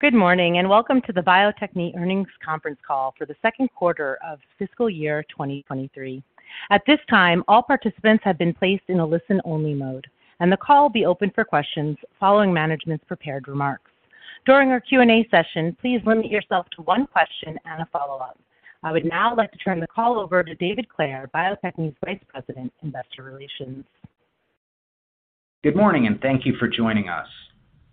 Good morning. Welcome to the Bio-Techne Earnings Conference Call for the second quarter of fiscal year 2023. At this time, all participants have been placed in a listen-only mode, and the call will be open for questions following management's prepared remarks. During our Q&A session, please limit yourself to one question and a follow-up. I would now like to turn the call over to David Clair, Bio-Techne's Vice President, Investor Relations. Good morning, thank you for joining us.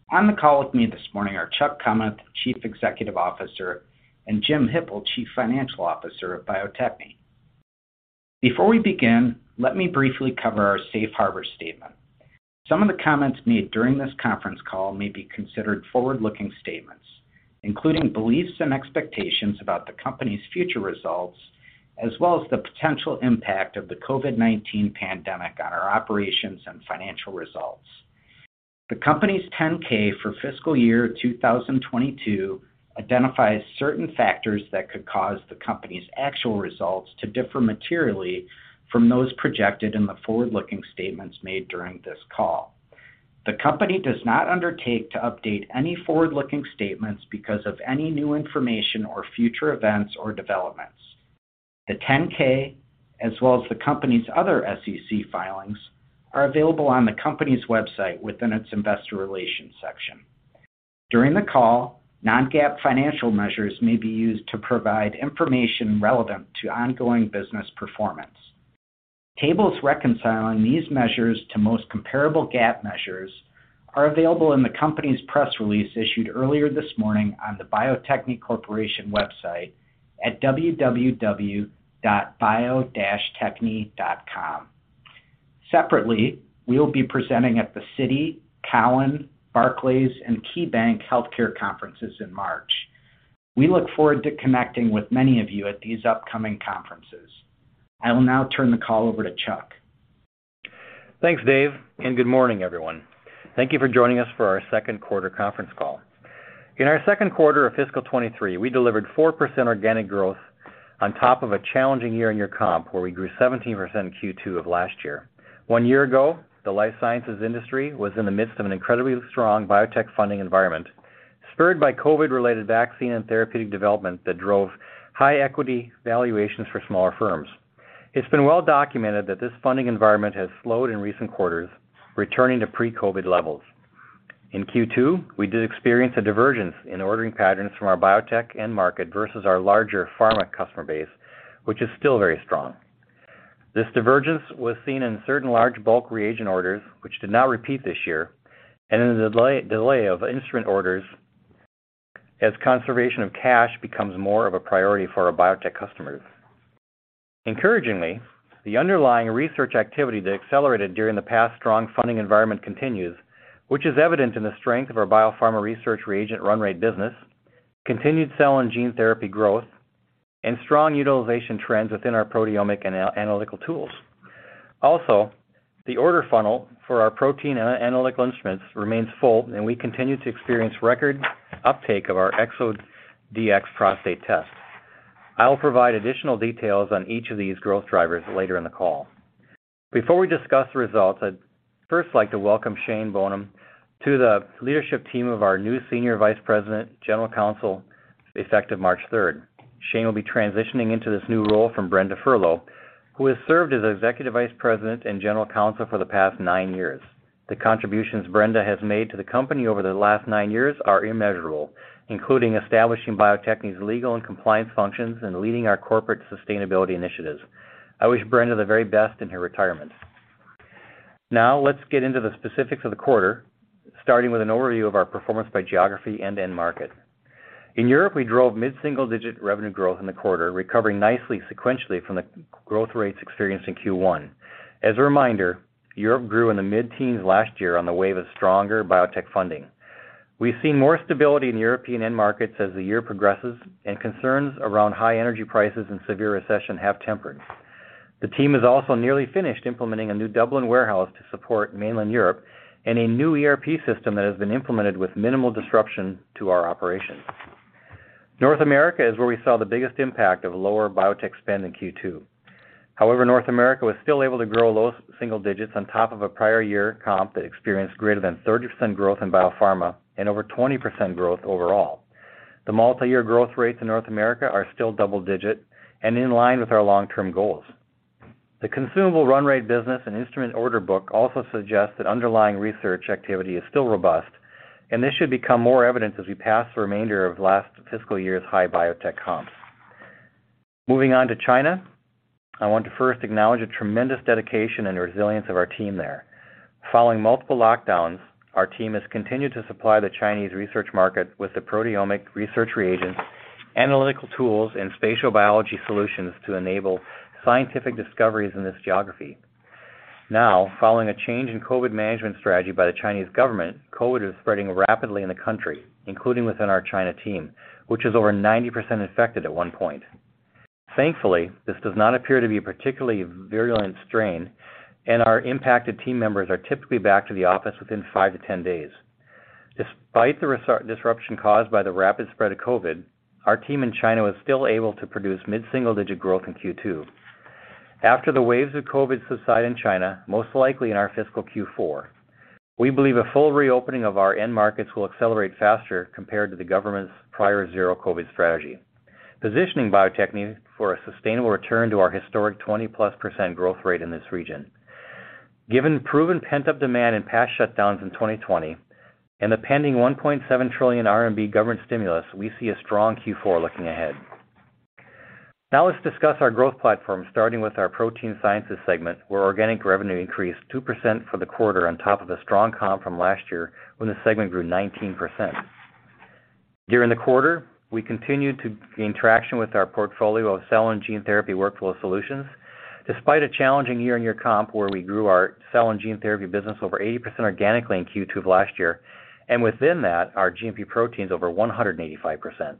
On the call with me this morning are Chuck Kummeth, Chief Executive Officer; and Jim Hippel, Chief Financial Officer of Bio-Techne. Before we begin, let me briefly cover our safe harbor statement. Some of the comments made during this conference call may be considered forward-looking statements, including beliefs and expectations about the company's future results, as well as the potential impact of the COVID-19 pandemic on our operations and financial results. The company's 10-K for fiscal year 2022 identifies certain factors that could cause the company's actual results to differ materially from those projected in the forward-looking statements made during this call. The company does not undertake to update any forward-looking statements because of any new information or future events or developments. The 10-K, as well as the company's other SEC filings, are available on the company's website within its investor relations section. During the call, non-GAAP financial measures may be used to provide information relevant to ongoing business performance. Tables reconciling these measures to most comparable GAAP measures are available in the company's press release issued earlier this morning on the Bio-Techne Corporation website at www.bio-techne.com. Separately, we will be presenting at the Citi, Cowen, Barclays, and KeyBanc Healthcare Conferences in March. We look forward to connecting with many of you at these upcoming conferences. I will now turn the call over to Chuck. Thanks, Dave. Good morning, everyone. Thank you for joining us for our second quarter conference call. In our second quarter of fiscal 2023, we delivered 4% organic growth on top of a challenging year in your comp, where we grew 17% in Q2 of last year. One year ago, the life sciences industry was in the midst of an incredibly strong biotech funding environment, spurred by COVID-related vaccine and therapeutic development that drove high equity valuations for smaller firms. It's been well documented that this funding environment has slowed in recent quarters, returning to pre-COVID levels. In Q2, we did experience a divergence in ordering patterns from our biotech end market versus our larger pharma customer base, which is still very strong. This divergence was seen in certain large bulk reagent orders, which did not repeat this year, and in the delay of instrument orders as conservation of cash becomes more of a priority for our biotech customers. Encouragingly, the underlying research activity that accelerated during the past strong funding environment continues, which is evident in the strength of our biopharma research reagent run rate business, continued cell and gene therapy growth, and strong utilization trends within our proteomic analytical tools. The order funnel for our protein analytical instruments remains full, and we continue to experience record uptake of our ExoDx Prostate test. I'll provide additional details on each of these growth drivers later in the call. Before we discuss the results, I'd first like to welcome Shane Bohnen to the leadership team of our new Senior Vice President, General Counsel, effective March 3rd. Shane will be transitioning into this new role from Brenda Furlow, who has served as Executive Vice President and General Counsel for the past nine years. The contributions Brenda has made to the company over the last nine years are immeasurable, including establishing Bio-Techne's legal and compliance functions and leading our corporate sustainability initiatives. I wish Brenda the very best in her retirement. Let's get into the specifics of the quarter, starting with an overview of our performance by geography and end market. In Europe, we drove mid-single-digit revenue growth in the quarter, recovering nicely sequentially from the growth rates experienced in Q1. As a reminder, Europe grew in the mid-teens last year on the wave of stronger biotech funding. We've seen more stability in European end markets as the year progresses and concerns around high energy prices and severe recession have tempered. The team is also nearly finished implementing a new Dublin warehouse to support mainland Europe and a new ERP system that has been implemented with minimal disruption to our operations. North America is where we saw the biggest impact of lower biotech spend in Q2. North America was still able to grow low single digits on top of a prior year comp that experienced greater than 30% growth in biopharma and over 20% growth overall. The multi-year growth rates in North America are still double digit and in line with our long-term goals. The consumable run rate business and instrument order book also suggests that underlying research activity is still robust, and this should become more evident as we pass the remainder of last fiscal year's high biotech comps. Moving on to China, I want to first acknowledge the tremendous dedication and resilience of our team there. Following multiple lockdowns, our team has continued to supply the Chinese research market with the proteomic research reagents, analytical tools, and spatial biology solutions to enable scientific discoveries in this geography. Now, following a change in COVID management strategy by the Chinese government, COVID is spreading rapidly in the country, including within our China team, which was over 90% infected at one point. Thankfully, this does not appear to be a particularly virulent strain, and our impacted team members are typically back to the office within five to 10 days. Despite the disruption caused by the rapid spread of COVID, our team in China was still able to produce mid-single-digit growth in Q2. After the waves of COVID subside in China, most likely in our fiscal Q4, we believe a full reopening of our end markets will accelerate faster compared to the government's prior zero COVID strategy, positioning Bio-Techne for a sustainable return to our historic 20%+ growth rate in this region. Given proven pent-up demand in past shutdowns in 2020 and the pending $1.7 trillion RMB government stimulus, we see a strong Q4 looking ahead. Let's discuss our growth platform, starting with our protein sciences segment, where organic revenue increased 2% for the quarter on top of the strong comp from last year when the segment grew 19%. During the quarter, we continued to gain traction with our portfolio of cell and gene therapy workflow solutions, despite a challenging year-over-year comp where we grew our cell and gene therapy business over 80% organically in Q2 of last year, and within that, our GMP proteins over 185%.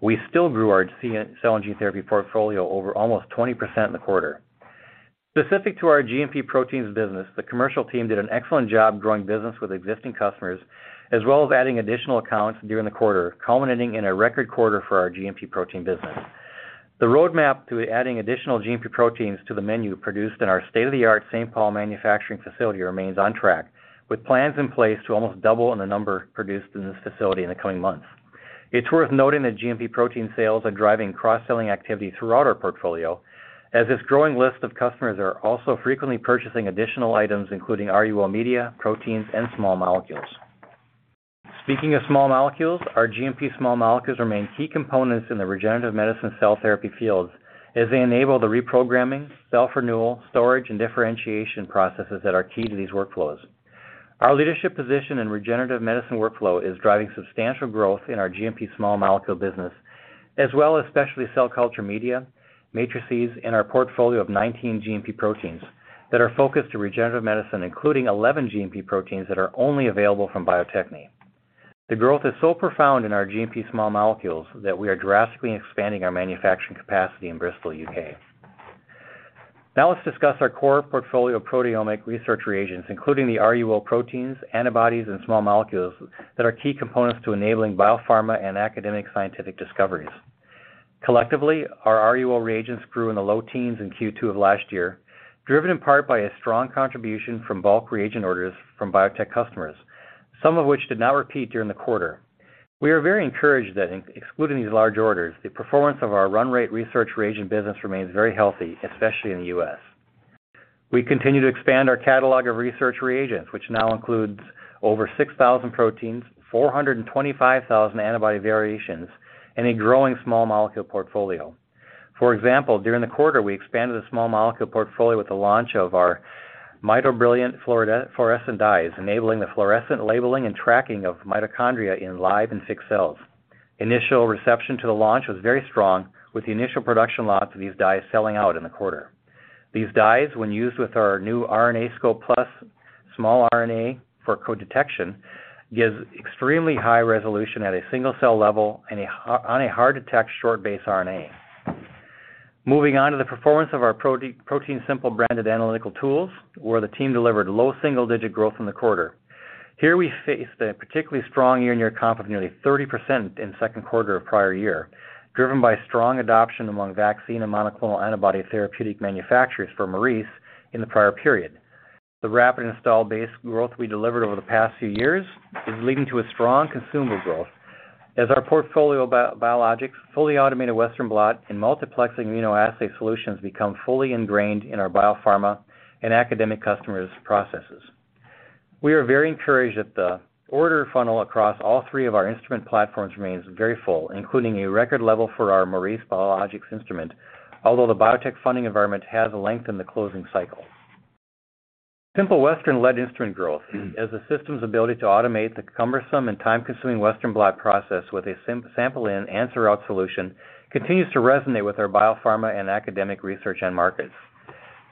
We still grew our cell and gene therapy portfolio over almost 20% in the quarter. Specific to our GMP proteins business, the commercial team did an excellent job growing business with existing customers, as well as adding additional accounts during the quarter, culminating in a record quarter for our GMP protein business. The roadmap to adding additional GMP proteins to the menu produced in our state-of-the-art St. Paul manufacturing facility remains on track, with plans in place to almost double in the number produced in this facility in the coming months. It's worth noting that GMP protein sales are driving cross-selling activity throughout our portfolio, as its growing list of customers are also frequently purchasing additional items, including RUO media, proteins, and small molecules. Speaking of small molecules, our GMP small molecules remain key components in the regenerative medicine cell therapy fields as they enable the reprogramming, self-renewal, storage, and differentiation processes that are key to these workflows. Our leadership position in regenerative medicine workflow is driving substantial growth in our GMP small molecule business, as well as specialty cell culture media, matrices, and our portfolio of 19 GMP proteins that are focused to regenerative medicine, including 11 GMP proteins that are only available from Bio-Techne. The growth is so profound in our GMP small molecules that we are drastically expanding our manufacturing capacity in Bristol, UK. Let's discuss our core portfolio of proteomic research reagents, including the RUO proteins, antibodies, and small molecules that are key components to enabling biopharma and academic scientific discoveries. Collectively, our RUO reagents grew in the low teens in Q2 of last year, driven in part by a strong contribution from bulk reagent orders from biotech customers, some of which did not repeat during the quarter. We are very encouraged that excluding these large orders, the performance of our run rate research reagent business remains very healthy, especially in the U.S. We continue to expand our catalog of research reagents, which now includes over 6,000 proteins, 425,000 antibody variations, and a growing small molecule portfolio. For example, during the quarter, we expanded the small molecule portfolio with the launch of our MitoBrilliant fluorescent dyes, enabling the fluorescent labeling and tracking of mitochondria in live and fixed cells. Initial reception to the launch was very strong, with the initial production lots of these dyes selling out in the quarter. These dyes, when used with our new RNAscope Plus smRNA-RNA for co-detection, gives extremely high resolution at a single cell level and on a hard to detect short base RNA. Moving on to the performance of our ProteinSimple branded analytical tools, where the team delivered low single-digit growth in the quarter. Here we faced a particularly strong year-on-year comp of nearly 30% in second quarter of prior year, driven by strong adoption among vaccine and monoclonal antibody therapeutic manufacturers for Maurice in the prior period. The rapid installed base growth we delivered over the past few years is leading to a strong consumable growth as our portfolio biologics, fully automated Western blot and multiplexing immunoassay solutions become fully ingrained in our biopharma and academic customers' processes. We are very encouraged that the order funnel across all three of our instrument platforms remains very full, including a record level for our Maurice Biologics instrument. Although the biotech funding environment has lengthened the closing cycle. Simple Western led instrument growth as the system's ability to automate the cumbersome and time-consuming Western blot process with a sample in, answer out solution continues to resonate with our biopharma and academic research end markets.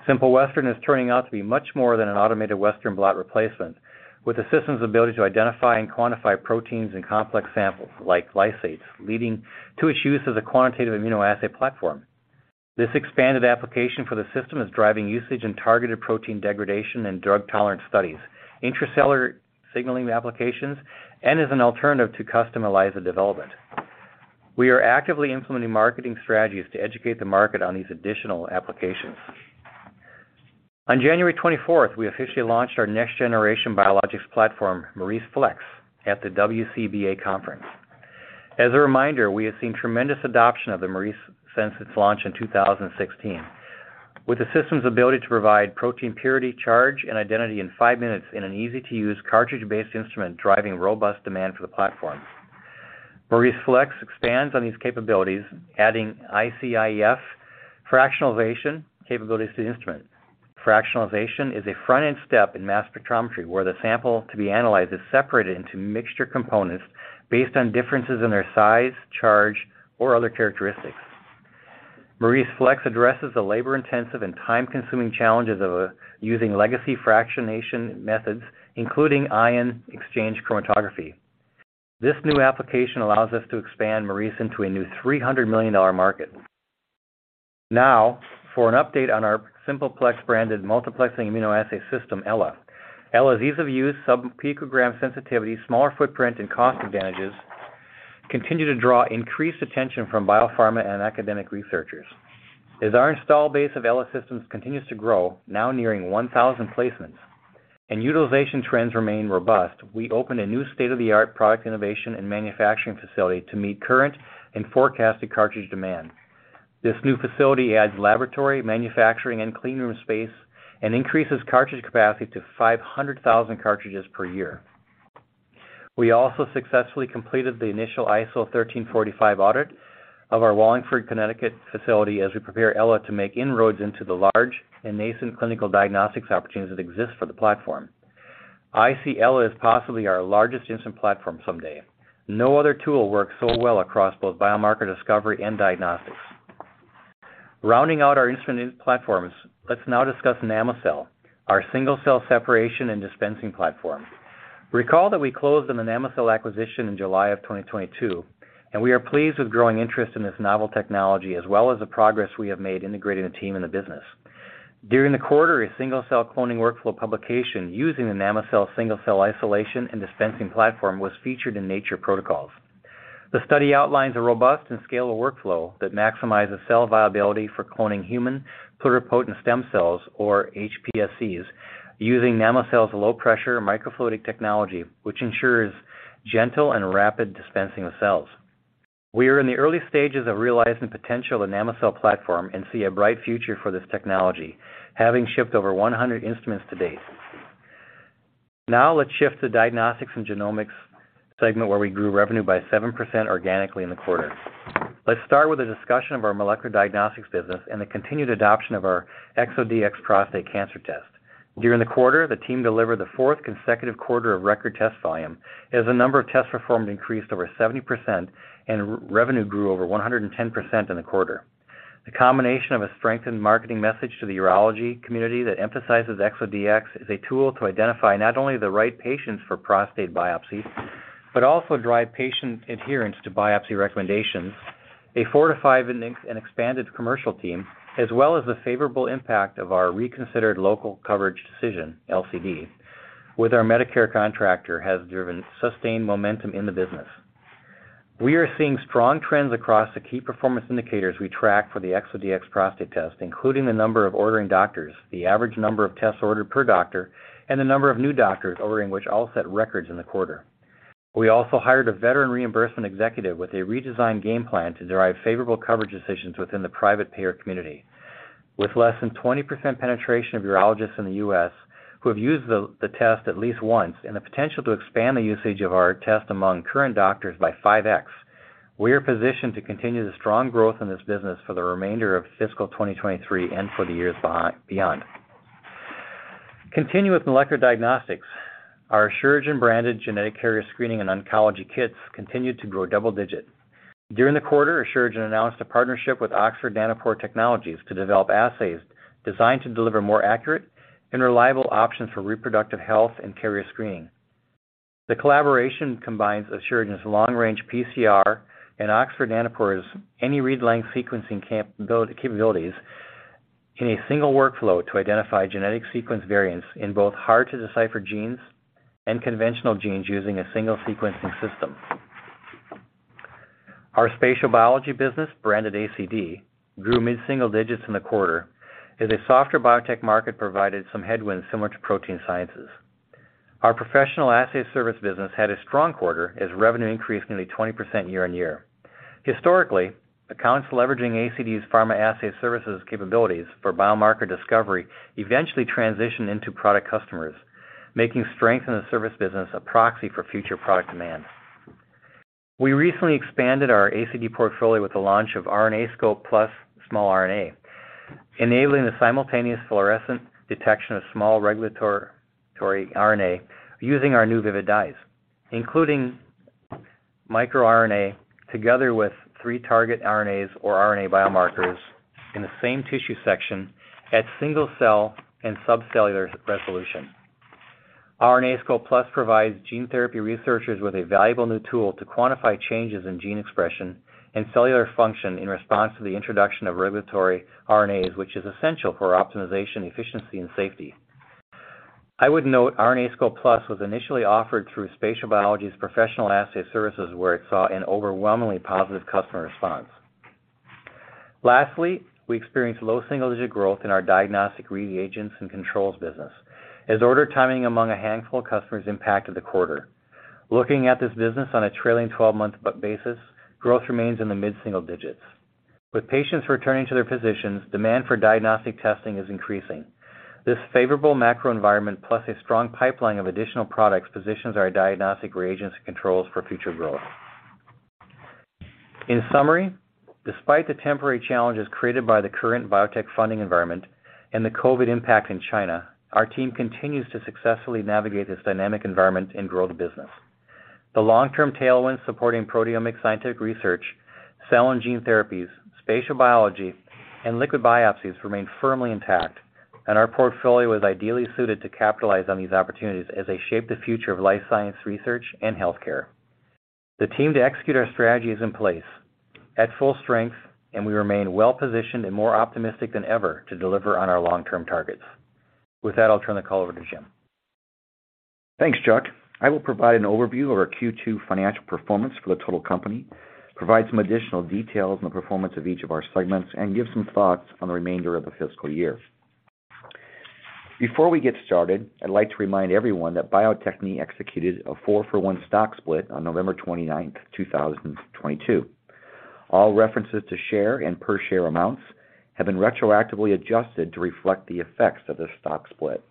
Simple Western is turning out to be much more than an automated Western blot replacement, with the system's ability to identify and quantify proteins in complex samples like lysates, leading to its use as a quantitative immunoassay platform. This expanded application for the system is driving usage and targeted protein degradation and drug tolerance studies, intracellular signaling applications, and as an alternative to custom ELISA development. We are actively implementing marketing strategies to educate the market on these additional applications. On January 24th, we officially launched our next generation biologics platform, Maurice Flex, at the WCBP conference. As a reminder, we have seen tremendous adoption of the Maurice since its launch in 2016, with the system's ability to provide protein purity, charge, and identity in five minutes in an easy-to-use cartridge-based instrument driving robust demand for the platform. Maurice Flex expands on these capabilities, adding iCIEF fractionaliztion capabilities to the instrument. Fractionalization is a front-end step in mass spectrometry, where the sample to be analyzed is separated into mixture components based on differences in their size, charge, or other characteristics. Maurice Flex addresses the labor-intensive and time-consuming challenges of using legacy fractionation methods, including ion exchange chromatography. This new application allows us to expand Maurice into a new $300 million market. Now, for an update on our Simple Plex branded multiplexing immunoassay system, Ella. Ella's ease of use, sub-picogram sensitivity, smaller footprint, and cost advantages continue to draw increased attention from biopharma and academic researchers. As our install base of Ella systems continues to grow, now nearing 1,000 placements, and utilization trends remain robust, we opened a new state-of-the-art product innovation and manufacturing facility to meet current and forecasted cartridge demand. This new facility adds laboratory, manufacturing, and clean room space and increases cartridge capacity to 500,000 cartridges per year. We also successfully completed the initial ISO 13485 audit of our Wallingford, Connecticut facility as we prepare Ella to make inroads into the large and nascent clinical diagnostics opportunities that exist for the platform. I see Ella as possibly our largest instrument platform someday. No other tool works so well across both biomarker discovery and diagnostics. Rounding out our instrument platforms, let's now discuss Namocell, our single-cell separation and dispensing platform. Recall that we closed on the Namocell acquisition in July of 2022, and we are pleased with growing interest in this novel technology, as well as the progress we have made integrating the team and the business. During the quarter, a single-cell cloning workflow publication using the Namocell single-cell isolation and dispensing platform was featured in Nature Protocols. The study outlines a robust and scalable workflow that maximizes cell viability for cloning human pluripotent stem cells, or hPSCs, using Namocell's low-pressure microfluidic technology, which ensures gentle and rapid dispensing of cells. We are in the early stages of realizing the potential of the Namocell platform and see a bright future for this technology, having shipped over 100 instruments to date. Let's shift to diagnostics and genomics segment, where we grew revenue by 7% organically in the quarter. Let's start with a discussion of our molecular diagnostics business and the continued adoption of our ExoDx prostate cancer test. During the quarter, the team delivered the fourth consecutive quarter of record test volume as the number of tests performed increased over 70% and revenue grew over 110% in the quarter. The combination of a strengthened marketing message to the urology community that emphasizes ExoDx as a tool to identify not only the right patients for prostate biopsies, but also drive patient adherence to biopsy recommendations. A four to five and expanded commercial team, as well as the favorable impact of our reconsidered local coverage decision, LCD, with our Medicare contractor, has driven sustained momentum in the business. We are seeing strong trends across the key performance indicators we track for the ExoDx prostate test, including the number of ordering doctors, the average number of tests ordered per doctor, and the number of new doctors ordering, which all set records in the quarter. We also hired a veteran reimbursement executive with a redesigned game plan to derive favorable coverage decisions within the private payer community. With less than 20% penetration of urologists in the U.S. who have used the test at least once and the potential to expand the usage of our test among current doctors by 5x, we are positioned to continue the strong growth in this business for the remainder of fiscal 2023 and for the years beyond. Continuing with molecular diagnostics, our Asuragen-branded genetic carrier screening and oncology kits continued to grow double digits. During the quarter, Asuragen announced a partnership with Oxford Nanopore Technologies to develop assays designed to deliver more accurate and reliable options for reproductive health and carrier screening. The collaboration combines Asuragen's long-range PCR and Oxford Nanopore's any read length sequencing capabilities in a single workflow to identify genetic sequence variants in both hard to decipher genes and conventional genes using a single sequencing system. Our spatial biology business, branded ACD, grew mid-single digits in the quarter as a softer biotech market provided some headwinds similar to protein sciences. Our professional assay service business had a strong quarter as revenue increased nearly 20% year-on-year. Historically, accounts leveraging ACD's pharma assay services capabilities for biomarker discovery eventually transitioned into product customers, making strength in the service business a proxy for future product demand. We recently expanded our ACD portfolio with the launch of RNAscope Plus small RNA, enabling the simultaneous fluorescent detection of small regulatory RNA using our new vivid dyes, including microRNA together with three target RNAs or RNA biomarkers in the same tissue section at single-cell and subcellular resolution. RNAscope Plus provides gene therapy researchers with a valuable new tool to quantify changes in gene expression and cellular function in response to the introduction of regulatory RNAs, which is essential for optimization, efficiency, and safety. I would note RNAscope Plus was initially offered through Spatial Biology's Professional Assay Services, where it saw an overwhelmingly positive customer response. Lastly, we experienced low single-digit growth in our diagnostic reagents and controls business as order timing among a handful of customers impacted the quarter. Looking at this business on a trailing twelve-month basis, growth remains in the mid-single digits. With patients returning to their physicians, demand for diagnostic testing is increasing. This favorable macro environment plus a strong pipeline of additional products positions our diagnostic reagents and controls for future growth. In summary, despite the temporary challenges created by the current biotech funding environment and the COVID impact in China, our team continues to successfully navigate this dynamic environment and grow the business. The long-term tailwinds supporting proteomic scientific research, cell and gene therapies, spatial biology, and liquid biopsies remain firmly intact, and our portfolio is ideally suited to capitalize on these opportunities as they shape the future of life science research and healthcare. The team to execute our strategy is in place at full strength, and we remain well-positioned and more optimistic than ever to deliver on our long-term targets. With that, I'll turn the call over to Jim. Thanks, Chuck. I will provide an overview of our Q2 financial performance for the total company, provide some additional details on the performance of each of our segments, and give some thoughts on the remainder of the fiscal year. Before we get started, I'd like to remind everyone that Bio-Techne executed a four-for-one stock split on November 29, 2022. All references to share and per share amounts have been retroactively adjusted to reflect the effects of the stock split.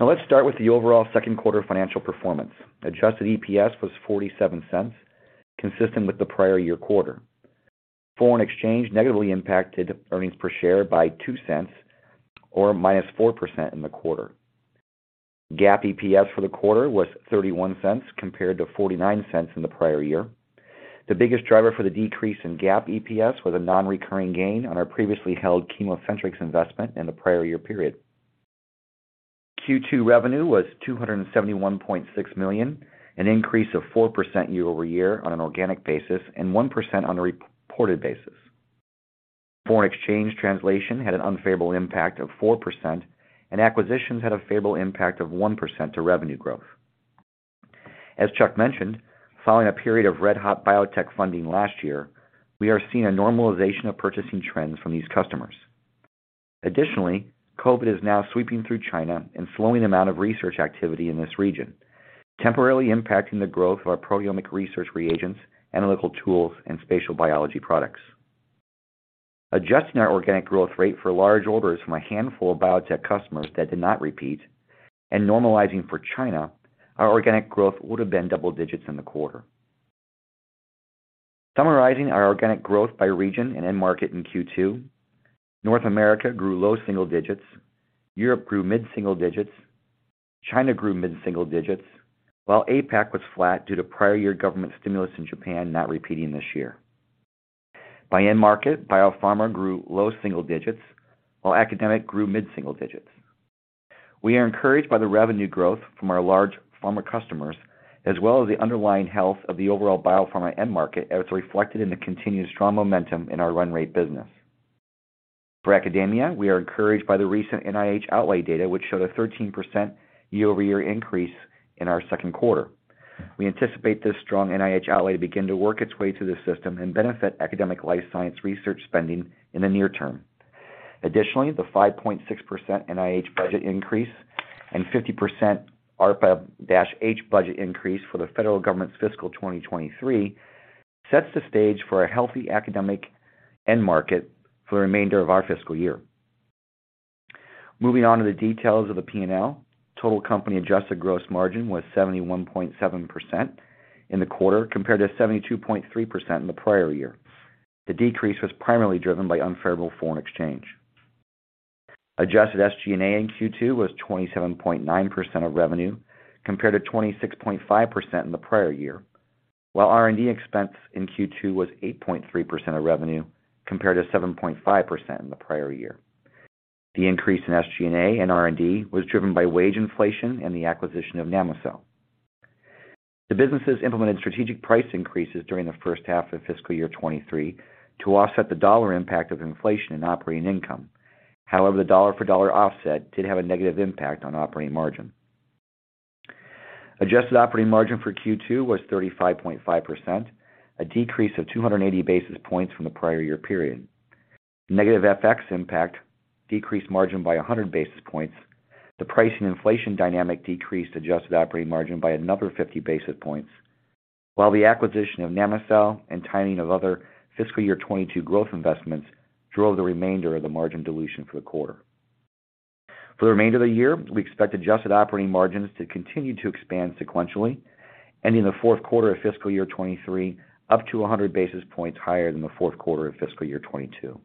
Let's start with the overall second quarter financial performance. Adjusted EPS was $0.47, consistent with the prior year quarter. Foreign exchange negatively impacted earnings per share by $0.02 or -4% in the quarter. GAAP EPS for the quarter was $0.31 compared to $0.49 in the prior year. The biggest driver for the decrease in GAAP EPS was a non-recurring gain on our previously held ChemoCentryx investment in the prior year period. Q2 revenue was $271.6 million, an increase of 4% year-over-year on an organic basis and 1% on a reported basis. Foreign exchange translation had an unfavorable impact of 4%, and acquisitions had a favorable impact of 1% to revenue growth. As Chuck mentioned, following a period of red-hot biotech funding last year, we are seeing a normalization of purchasing trends from these customers. Additionally, COVID is now sweeping through China and slowing the amount of research activity in this region, temporarily impacting the growth of our proteomic research reagents, analytical tools, and spatial biology products. Adjusting our organic growth rate for large orders from a handful of biotech customers that did not repeat and normalizing for China, our organic growth would have been double digits in the quarter. Summarizing our organic growth by region and end market in Q2, North America grew low single digits, Europe grew mid single digits, China grew mid single digits, while APAC was flat due to prior year government stimulus in Japan not repeating this year. By end market, biopharma grew low single digits, while academic grew mid single digits. We are encouraged by the revenue growth from our large pharma customers, as well as the underlying health of the overall biopharma end market as reflected in the continued strong momentum in our run rate business. For academia, we are encouraged by the recent NIH outlay data, which showed a 13% year-over-year increase in our second quarter. We anticipate this strong NIH outlay to begin to work its way through the system and benefit academic life science research spending in the near term. The 5.6% NIH budget increase and 50% ARPA-H budget increase for the federal government's fiscal 2023 sets the stage for a healthy academic end market for the remainder of our fiscal year. Moving on to the details of the P&L. Total company adjusted gross margin was 71.7% in the quarter compared to 72.3% in the prior year. The decrease was primarily driven by unfavorable foreign exchange. Adjusted SG&A in Q2 was 27.9% of revenue compared to 26.5% in the prior year, while R&D expense in Q2 was 8.3% of revenue compared to 7.5% in the prior year. The increase in SG&A and R&D was driven by wage inflation and the acquisition of Namocell. The businesses implemented strategic price increases during the first half of fiscal year 2023 to offset the dollar impact of inflation in operating income. The dollar for dollar offset did have a negative impact on operating margin. Adjusted operating margin for Q2 was 35.5%, a decrease of 280 basis points from the prior year period. Negative FX impact decreased margin by 100 basis points. The price and inflation dynamic decreased adjusted operating margin by another 50 basis points, while the acquisition of Namocell and timing of other fiscal year 2022 growth investments drove the remainder of the margin dilution for the quarter. For the remainder of the year, we expect adjusted operating margins to continue to expand sequentially, ending the fourth quarter of fiscal year 2023 up to 100 basis points higher than the fourth quarter of fiscal year 2022.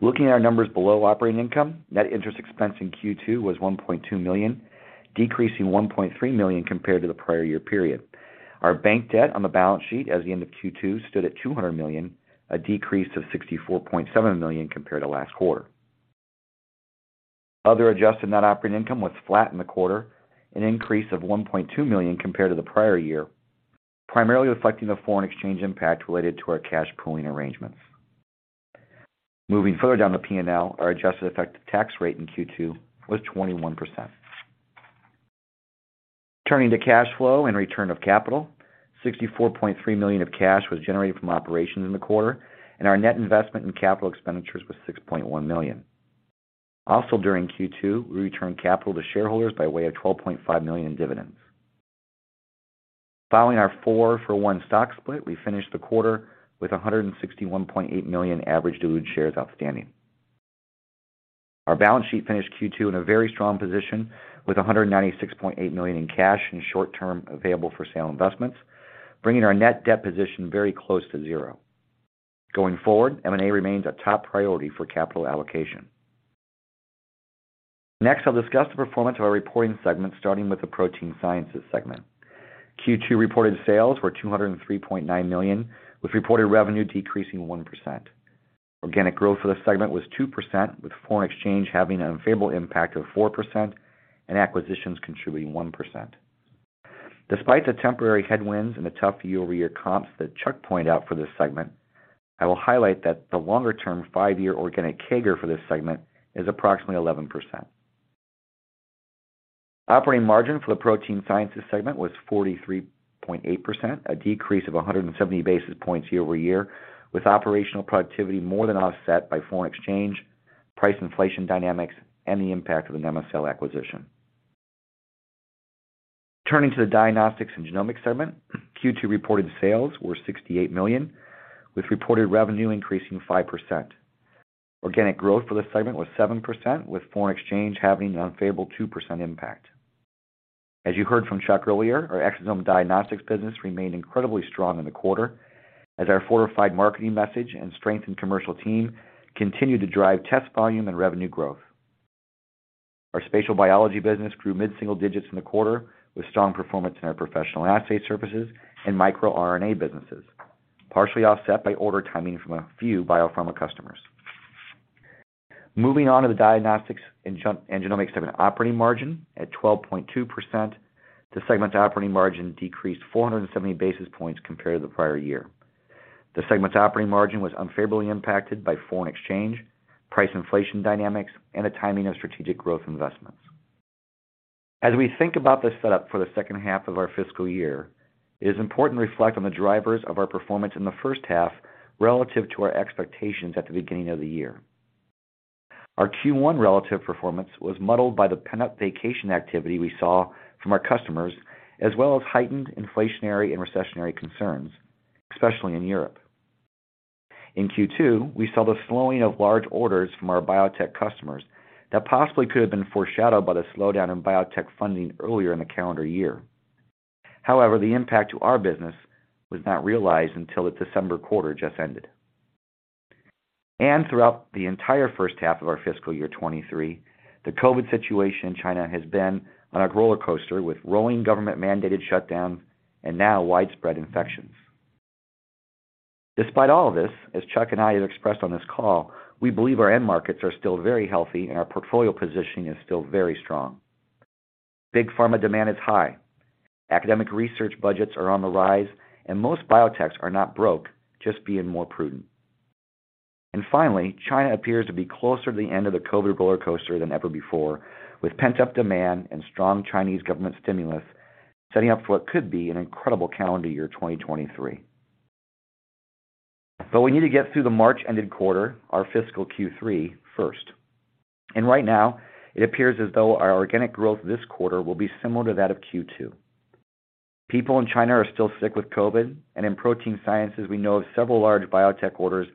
Looking at our numbers below operating income, net interest expense in Q2 was $1.2 million, decreasing $1.3 million compared to the prior year period. Our bank debt on the balance sheet as the end of Q2 stood at $200 million, a decrease of $64.7 million compared to last quarter. Other adjusted net operating income was flat in the quarter, an increase of $1.2 million compared to the prior year, primarily reflecting the foreign exchange impact related to our cash pooling arrangements. Moving further down the P&L, our adjusted effective tax rate in Q2 was 21%. Turning to cash flow and return of capital. $64.3 million of cash was generated from operations in the quarter, and our net investment in capital expenditures was $6.1 million. Also during Q2, we returned capital to shareholders by way of $12.5 million in dividends. Following our four-or-one stock split, we finished the quarter with 161.8 million average diluted shares outstanding. Our balance sheet finished Q2 in a very strong position with $196.8 million in cash and short-term available for sale investments, bringing our net debt position very close to zero. Going forward, M&A remains a top priority for capital allocation. Next, I'll discuss the performance of our reporting segment, starting with the protein sciences segment. Q2 reported sales were $203.9 million, with reported revenue decreasing 1%. Organic growth for the segment was 2%, with foreign exchange having an unfavorable impact of 4% and acquisitions contributing 1%. Despite the temporary headwinds and the tough year-over-year comps that Chuck pointed out for this segment, I will highlight that the longer-term five-year organic CAGR for this segment is approximately 11%. Operating margin for the protein sciences segment was 43.8%, a decrease of 170 basis points year-over-year, with operational productivity more than offset by foreign exchange, price inflation dynamics, and the impact of the Namocell acquisition. Turning to the diagnostics and genomics segment, Q2 reported sales were $68 million, with reported revenue increasing 5%. Organic growth for this segment was 7%, with foreign exchange having an unfavorable 2% impact. As you heard from Chuck earlier, our Exosome Diagnostics business remained incredibly strong in the quarter as our fortified marketing message and strengthened commercial team continued to drive test volume and revenue growth. Our spatial biology business grew mid-single digits in the quarter, with strong performance in our professional assay services and microRNA businesses, partially offset by order timing from a few biopharma customers. Moving on to the diagnostics and genomics segment operating margin at 12.2%, the segment operating margin decreased 470 basis points compared to the prior year. The segment's operating margin was unfavorably impacted by foreign exchange, price inflation dynamics, and the timing of strategic growth investments. As we think about the setup for the second half of our fiscal year, it is important to reflect on the drivers of our performance in the first half relative to our expectations at the beginning of the year. Our Q1 relative performance was muddled by the pent-up vacation activity we saw from our customers, as well as heightened inflationary and recessionary concerns, especially in Europe. In Q2, we saw the slowing of large orders from our biotech customers that possibly could have been foreshadowed by the slowdown in biotech funding earlier in the calendar year. However, the impact to our business was not realized until the December quarter just ended. Throughout the entire first half of our fiscal year 2023, the COVID situation in China has been on a rollercoaster, with rolling government-mandated shutdowns and now widespread infections. Despite all of this, as Chuck and I have expressed on this call, we believe our end markets are still very healthy and our portfolio positioning is still very strong. Big pharma demand is high. Academic research budgets are on the rise, and most biotechs are not broke, just being more prudent. Finally, China appears to be closer to the end of the COVID rollercoaster than ever before, with pent-up demand and strong Chinese government stimulus setting up for what could be an incredible calendar year 2023. We need to get through the March ended quarter, our fiscal Q3 first. Right now it appears as though our organic growth this quarter will be similar to that of Q2. People in China are still sick with COVID, and in protein sciences, we know of several large biotech orders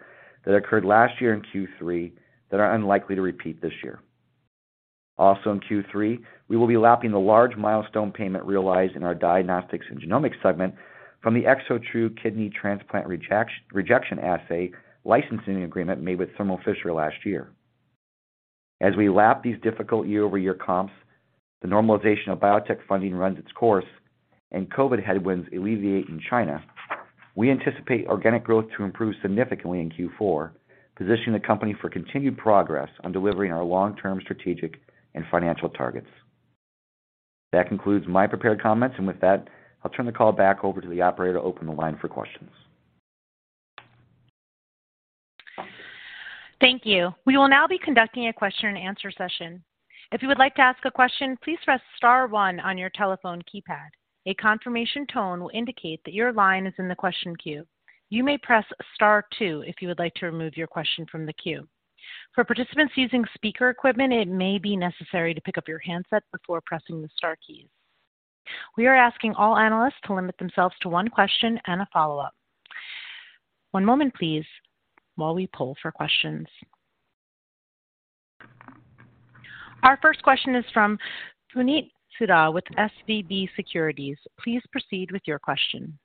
that occurred last year in Q3 that are unlikely to repeat this year. Also in Q3, we will be lapping the large milestone payment realized in our diagnostics and genomics segment from the ExoTRU kidney transplant rejection assay licensing agreement made with Thermo Fisher last year. As we lap these difficult year-over-year comps, the normalization of biotech funding runs its course and COVID headwinds alleviate in China, we anticipate organic growth to improve significantly in Q4, positioning the company for continued progress on delivering our long term strategic and financial targets. That concludes my prepared comments, and with that, I'll turn the call back over to the operator to open the line for questions. Thank you. We will now be conducting a question and answer session. If you would like to ask a question, please press star one on your telephone keypad. A confirmation tone will indicate that your line is in the question queue. You may press star two if you would like to remove your question from the queue. For participants using speaker equipment, it may be necessary to pick up your handset before pressing the star keys. We are asking all analysts to limit themselves to one question and a follow up. One moment please while we poll for questions. Our first question is from Puneet Souda with SVB Securities. Please proceed with your question.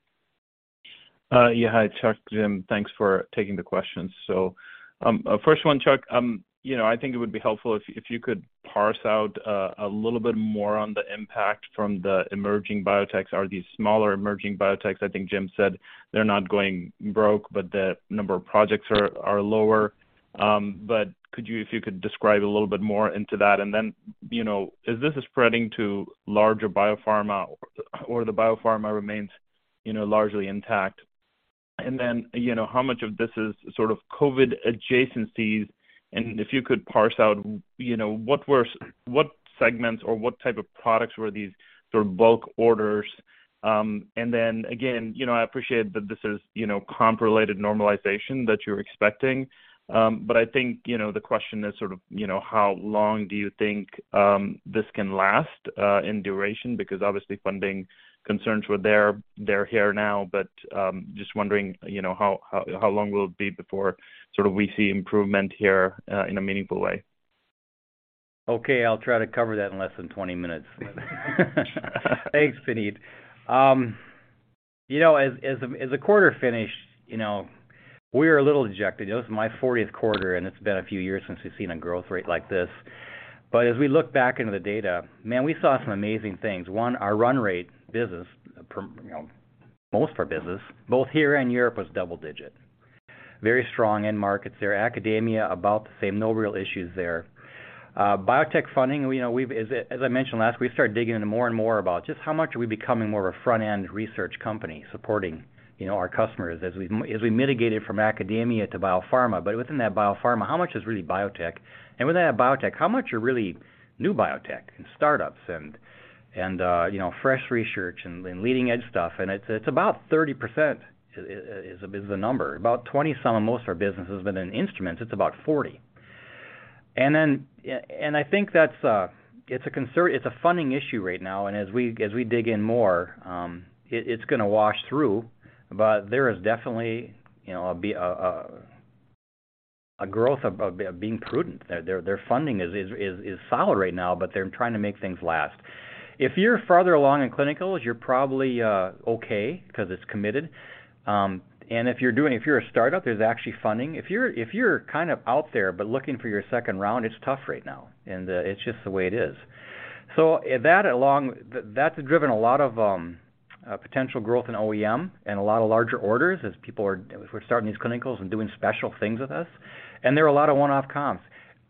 Hi, Chuck, Jim, thanks for taking the questions. First one, Chuck, you know, I think it would be helpful if you could parse out a little bit more on the impact from the emerging biotechs. Are these smaller emerging biotechs? I think Jim said they're not going broke, but the number of projects are lower. If you could describe a little bit more into that. Is this spreading to larger biopharma or the biopharma remains, you know, largely intact? How much of this is sort of COVID adjacencies, and if you could parse out, you know, what segments or what type of products were these sort of bulk orders? Again, you know, I appreciate that this is, you know, comp related normalization that you're expecting. I think, you know, the question is sort of, you know, how long do you think this can last in duration? Because obviously funding concerns were there, they're here now. Just wondering, you know, how long will it be before sort of we see improvement here in a meaningful way. Okay, I'll try to cover that in less than 20 minutes. Thanks, Puneet. You know, as the quarter finished, you know, we were a little dejected. It was my 40th quarter, and it's been a few years since we've seen a growth rate like this. As we look back into the data, man, we saw some amazing things. One, our run rate business, you know, most of our business, both here and Europe was double digit. Very strong end markets there. Academia about the same, no real issues there. Biotech funding, you know, as I mentioned last, we started digging into more and more about just how much are we becoming more of a front-end research company supporting, you know, our customers as we mitigate it from academia to biopharma. Within that biopharma, how much is really biotech? Within that biotech, how much are really new biotech and startups and, you know, fresh research and leading edge stuff? It's about 30% is the number. About 20 some in most of our businesses, but in instruments, it's about 40. and I think that's it's a concern. It's a funding issue right now, and as we, as we dig in more, it's gonna wash through, but there is definitely, you know, a growth of being prudent. Their funding is solid right now, but they're trying to make things last. If you're farther along in clinicals, you're probably okay, because it's committed. If you're a startup, there's actually funding. If you're kind of out there, but looking for your second round, it's tough right now, and it's just the way it is. That's driven a lot of potential growth in OEM and a lot of larger orders as people are, if we're starting these clinicals and doing special things with us, and there are a lot of one-off comps.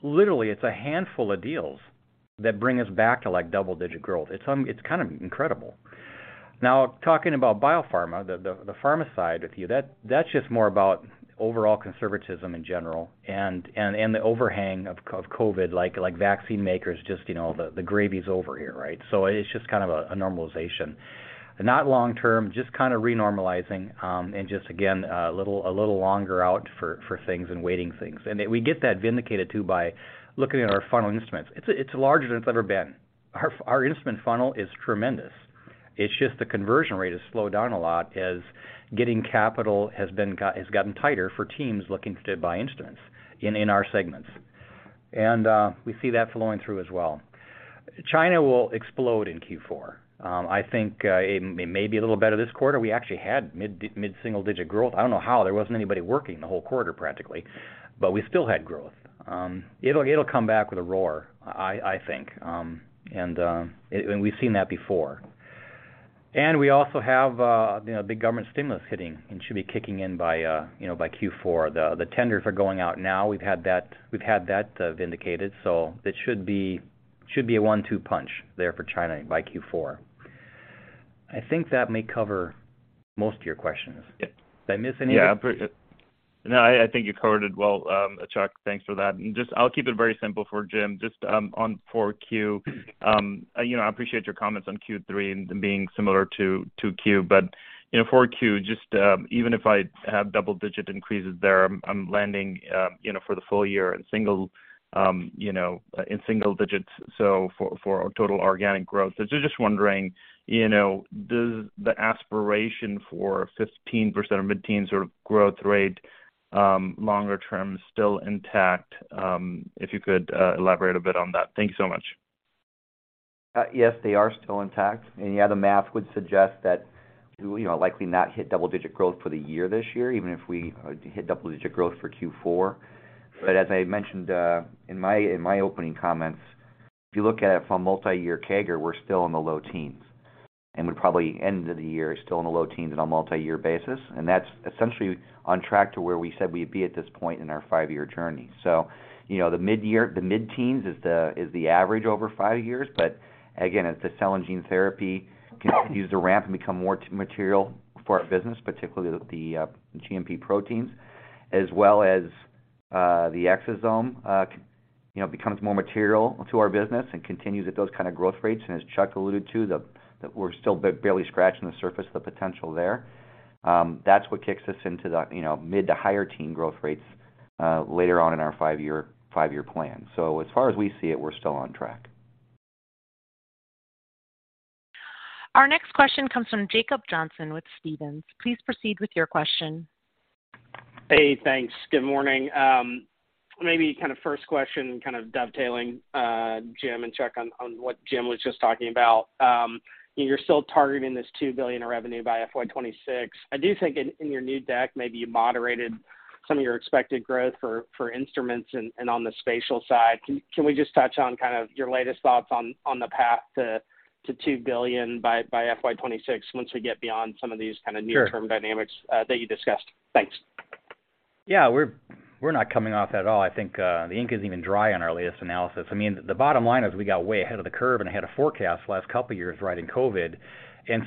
Literally, it's a handful of deals that bring us back to, like, double-digit growth. It's kind of incredible. Now, talking about biopharma, the pharma side with you, that's just more about overall conservatism in general and the overhang of COVID, like vaccine makers, just, you know, the gravy's over here, right? It's just kind of a normalization. Not long term, just kind of renormalizing, and just again, a little longer out for things and waiting things. We get that vindicated too by looking at our funnel instruments. It's larger than it's ever been. Our instrument funnel is tremendous. It's just the conversion rate has slowed down a lot as getting capital has gotten tighter for teams looking to buy instruments in our segments. We see that flowing through as well. China will explode in Q4. I think it may be a little better this quarter. We actually had mid-single digit growth. I don't know how. There wasn't anybody working the whole quarter, practically, but we still had growth. It'll come back with a roar, I think, and we've seen that before. We also have, you know, big government stimulus hitting and should be kicking in by, you know, by Q4. The tenders are going out now. We've had that vindicated, so it should be a one-two punch there for China by Q4. I think that may cover most of your questions. Yeah. Did I miss any? Yeah. No, I think you covered it well, Chuck. Thanks for that. Just I'll keep it very simple for Jim, just on 4Q. You know, I appreciate your comments on Q3 and being similar to 2Q. You know, 4Q, just, even if I have double-digit increases there, I'm landing, you know, for the full year, single, you know, in single digits, so for total organic growth. Just wondering, you know, does the aspiration for 15% or mid-teen sort of growth rate, longer term still intact? If you could elaborate a bit on that. Thank you so much. Yes, they are still intact. The math would suggest that likely not hit double-digit growth for the year this year, even if we hit double-digit growth for Q4. As I mentioned, in my opening comments, if you look at it from multi-year CAGR, we're still in the low teens, and we'll probably end of the year still in the low teens on a multi-year basis. That's essentially on track to where we said we'd be at this point in our five-year journey. The mid-teens is the average over five years. Again, as the cell and gene therapy continues to ramp and become more material for our business, particularly the GMP proteins, as well as the exosome, you know, becomes more material to our business and continues at those kind of growth rates. As Chuck alluded to, that we're still barely scratching the surface of the potential there. That's what kicks us into the, you know, mid to higher teen growth rates later on in our five-year plan. As far as we see it, we're still on track. Our next question comes from Jacob Johnson with Stephens. Please proceed with your question. Hey, thanks. Good morning. Maybe kind of first question, kind of dovetailing, Jim and Chuck on what Jim was just talking about? You're still targeting this $2 billion in revenue by FY 2026. I do think in your new deck, maybe you moderated some of your expected growth for instruments and on the spatial side. Can we just touch on kind of your latest thoughts on the path to $2 billion by FY 2026 once we get beyond some of these kind of near-term. Sure. Dynamics, that you discussed? Thanks. Yeah, we're not coming off at all. I think the ink isn't even dry on our latest analysis. I mean, the bottom line is we got way ahead of the curve and ahead of forecast the last couple of years riding COVID.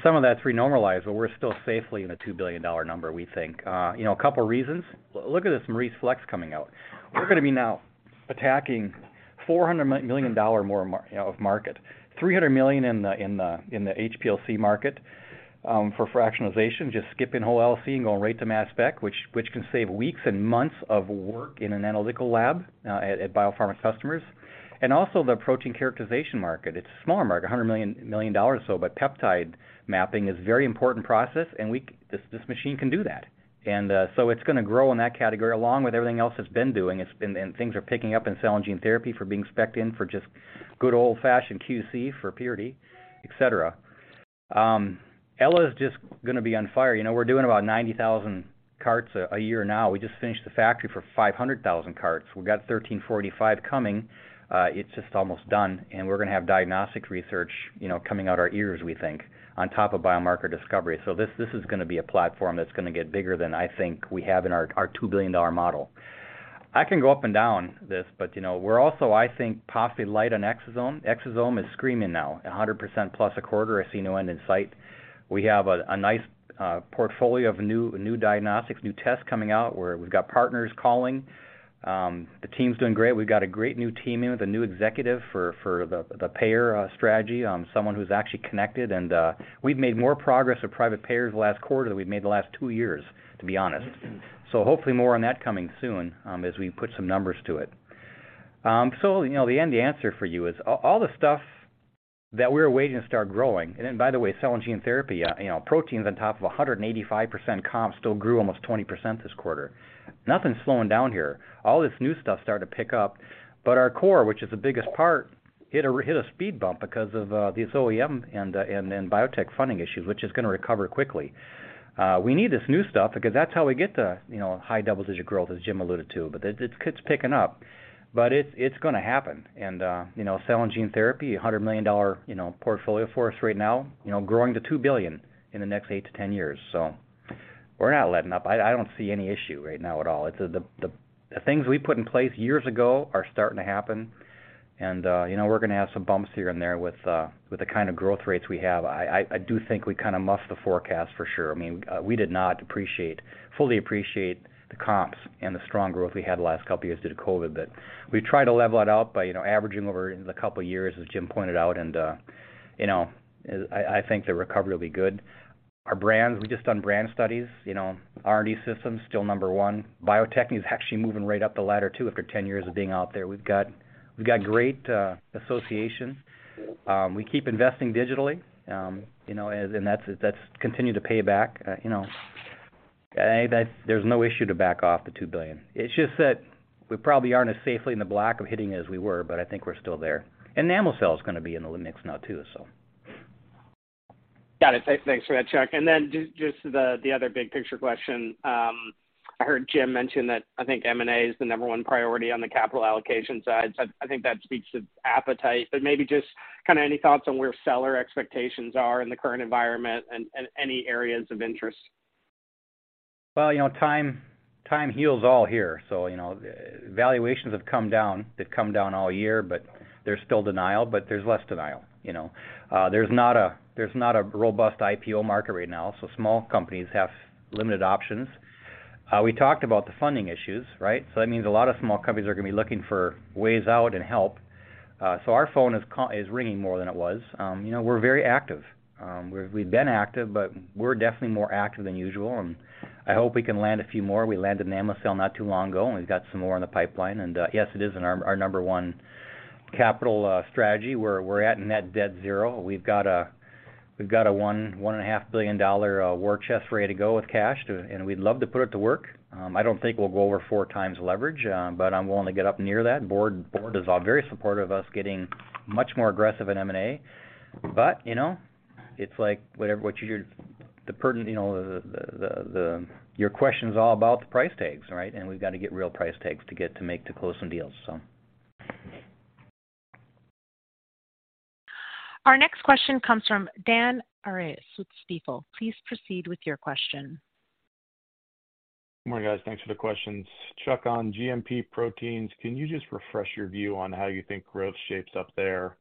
Some of that's renormalized, but we're still safely in the $2 billion number, we think. You know, a couple of reasons. Look at the Maurice Flex coming out. We're gonna be now attacking $400 million more of market. $300 million in the HPLC market for fractionalization, just skipping whole LC and going right to mass spec, which can save weeks and months of work in an analytical lab at biopharma customers. Also the protein characterization market. It's a smaller market, $100 million or so, but peptide mapping is a very important process, and this machine can do that. So it's gonna grow in that category along with everything else it's been doing. Things are picking up in cell and gene therapy for being specced in for just good old-fashioned QC for purity, et cetera. Ella's just gonna be on fire. You know, we're doing about 90,000 carts a year now. We just finished the factory for 500,000 carts. We've got ISO 13485 coming. It's just almost done. We're gonna have diagnostic research, you know, coming out our ears, we think, on top of biomarker discovery. This is gonna be a platform that's gonna get bigger than I think we have in our $2 billion model. I can go up and down this, but, you know, we're also, I think, possibly light on Exosome. Exosome is screaming now, 100% plus a quarter. I see no end in sight. We have a nice portfolio of new diagnostics, new tests coming out where we've got partners calling. The team's doing great. We've got a great new team in with a new executive for the payer strategy, someone who's actually connected and we've made more progress with private payers last quarter than we've made in the last two years, to be honest. Hopefully more on that coming soon, as we put some numbers to it. You know, the end-to-answer for you is all the stuff that we were waiting to start growing. By the way, cell and gene therapy, you know, proteins on top of a 185% comp still grew almost 20% this quarter. Nothing's slowing down here. All this new stuff started to pick up, our core, which is the biggest part, hit a speed bump because of these OEM and biotech funding issues, which is gonna recover quickly. We need this new stuff because that's how we get the, you know, high double-digit growth, as Jim alluded to, it's picking up. It's gonna happen. You know, cell and gene therapy, a $100 million, you know, portfolio for us right now, you know, growing to $2 billion in the next eight to 10 years. We're not letting up. I don't see any issue right now at all. It's the things we put in place years ago are starting to happen and, you know, we're gonna have some bumps here and there with the kind of growth rates we have. I do think we kind of muffed the forecast for sure. I mean, we did not fully appreciate the comps and the strong growth we had the last couple of years due to COVID. We try to level it out by, you know, averaging over the couple of years, as Jim pointed out, and, you know, I think the recovery will be good. Our brands, we've just done brand studies, you know, R&D Systems still number one. Bio-Techne is actually moving right up the ladder too after 10 years of being out there. We've got great associations. We keep investing digitally, you know, and that's continued to pay back. You know, there's no issue to back off the $2 billion. It's just that we probably aren't as safely in the black of hitting it as we were, but I think we're still there. Namocell is gonna be in the mix now too. Got it. Thanks for that, Chuck. Then just the other big picture question. I heard Jim mention that I think M&A is the number one priority on the capital allocation side. I think that speaks to appetite, but maybe just kinda any thoughts on where seller expectations are in the current environment and any areas of interest. Well, you know, time heals all here, you know. Valuations have come down. They've come down all year, but there's still denial, but there's less denial, you know. There's not a robust IPO market right now, so small companies have limited options. We talked about the funding issues, right? That means a lot of small companies are gonna be looking for ways out and help. Our phone is ringing more than it was. You know, we're very active. We've been active, but we're definitely more active than usual, and I hope we can land a few more. We landed Namocell not too long ago, and we've got some more in the pipeline. Yes, it is in our number one capital strategy. We're at net debt zero. We've got a one and a half billion dollar war chest ready to go with cash and we'd love to put it to work. I don't think we'll go over 4x leverage, but I'm willing to get up near that. Board is all very supportive of us getting much more aggressive in M&A. you know, it's like whatever the pertinent, you know, your question's all about the price tags, right? We've got to get real price tags to close some deals. Our next question comes from Dan Arias with Stifel. Please proceed with your question. Good morning, guys. Thanks for the questions. Chuck, on GMP proteins, can you just refresh your view on how you think growth shapes up there?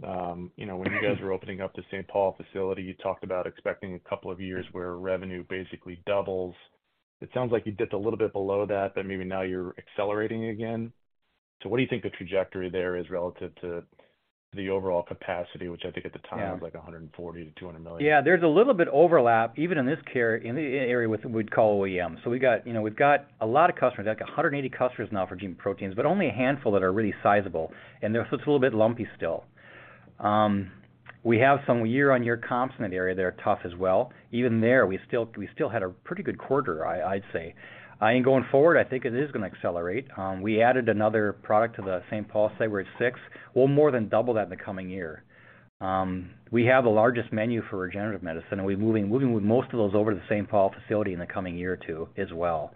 You know, when you guys were opening up the St. Paul facility, you talked about expecting a couple of years where revenue basically doubles. It sounds like you dipped a little bit below that, but maybe now you're accelerating again. What do you think the trajectory there is relative to the overall capacity, which I think at the time was like $140 million-$200 million? Yeah, there's a little bit overlap even in this area with we'd call OEM. We've got a lot of customers, like 180 customers now for gene proteins, but only a handful that are really sizable, and they're just a little bit lumpy still. We have some year-over-year comps in that area that are tough as well. Even there, we still had a pretty good quarter I'd say. I think going forward, I think it is gonna accelerate. We added another product to the St. Paul site. We're at six. We'll more than double that in the coming year. We have the largest menu for regenerative medicine, and we're moving with most of those over to the St. Paul facility in the coming year or two as well.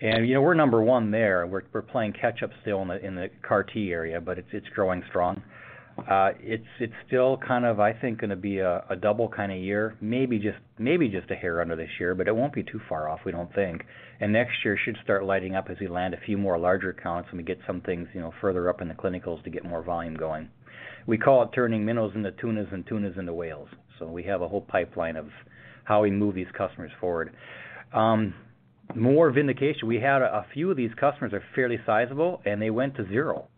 You know, we're number one there. We're playing catch up still in the CAR T area, but it's growing strong. It's still kinda, I think gonna be a double kinda year, maybe just a hair under this year, but it won't be too far off, we don't think. Next year should start lighting up as we land a few more larger accounts and we get some things, you know, further up in the clinicals to get more volume going. We call it turning minnows into tunas and tunas into whales. We have a whole pipeline of how we move these customers forward. More vindication. We had a few of these customers are fairly sizable, and they went to zero,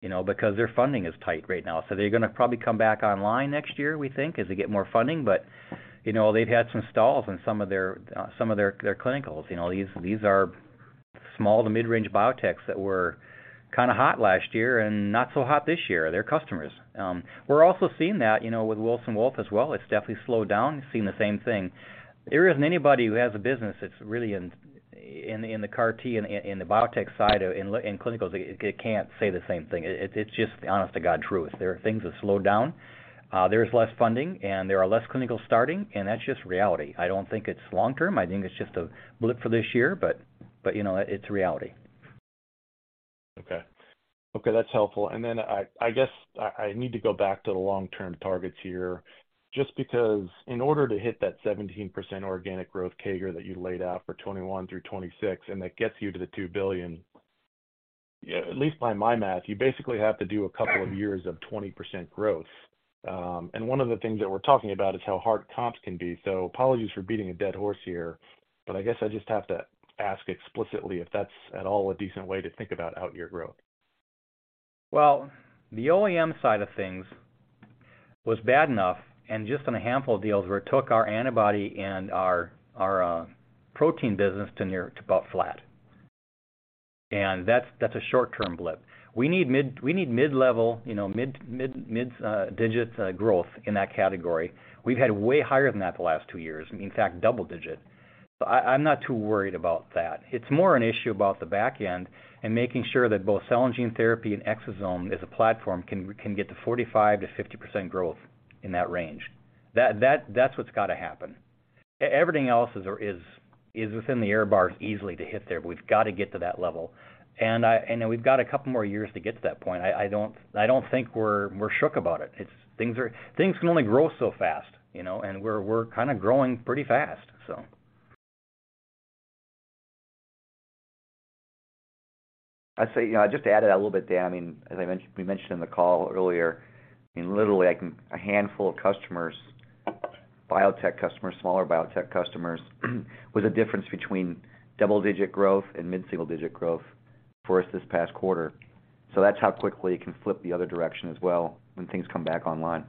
you know, because their funding is tight right now. They're gonna probably come back online next year, we think, as they get more funding. You know, they've had some stalls in some of their, some of their clinicals. You know, these are small to mid-range biotechs that were kinda hot last year and not so hot this year. They're customers. We're also seeing that, you know, with Wilson Wolf as well. It's definitely slowed down. Seeing the same thing. There isn't anybody who has a business that's really in the CAR T and in the biotech side, in clinicals that can't say the same thing. It's just the honest to God truth. There are things that slowed down, there's less funding and there are less clinicals starting, and that's just reality. I don't think it's long-term. I think it's just a blip for this year, but you know, it's reality. Okay. Okay, that's helpful. I guess I need to go back to the long-term targets here just because in order to hit that 17% organic growth CAGR that you laid out for 2021 through 2026, and that gets you to the $2 billion, at least by my math, you basically have to do a couple of years of 20% growth. One of the things that we're talking about is how hard comps can be. Apologies for beating a dead horse here, but I guess I just have to ask explicitly if that's at all a decent way to think about outyear growth. Well, the OEM side of things was bad enough and just on a handful of deals where it took our antibody and our protein business to about flat. That's a short-term blip. We need mid-level, you know, mid-digit growth in that category. We've had way higher than that the last two years, in fact, double-digit. I'm not too worried about that. It's more an issue about the back end and making sure that both cell and gene therapy and exosome as a platform can get to 45%-50% growth in that range. That's what's got to happen. Everything else is within the error bars easily to hit there, but we've got to get to that level. We've got a couple more years to get to that point. I don't think we're shook about it. It's. Things can only grow so fast, you know, and we're kind of growing pretty fast, so. I'd say, you know, I just added that a little bit, Dan. As we mentioned in the call earlier, literally, a handful of customers, biotech customers, smaller biotech customers, was the difference between double-digit growth and mid-single digit growth for us this past quarter. That's how quickly it can flip the other direction as well when things come back online.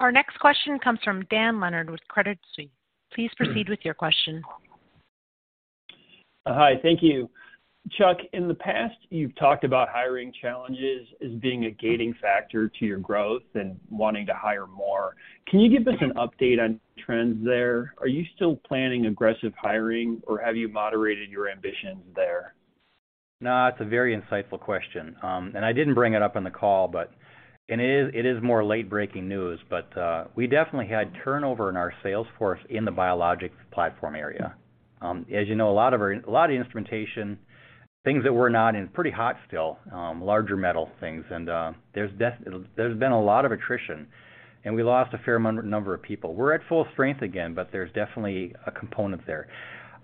Our next question comes from Dan Leonard with Credit Suisse. Please proceed with your question. Hi. Thank you. Chuck, in the past, you've talked about hiring challenges as being a gating factor to your growth and wanting to hire more. Can you give us an update on trends there? Are you still planning aggressive hiring, or have you moderated your ambitions there? No, that's a very insightful question. I didn't bring it up on the call, but it is more late-breaking news, we definitely had turnover in our sales force in the biologic platform area. As you know, a lot of the instrumentation, things that we're not in pretty hot still, larger metal things. There's been a lot of attrition, and we lost a fair number of people. We're at full strength again, but there's definitely a component there.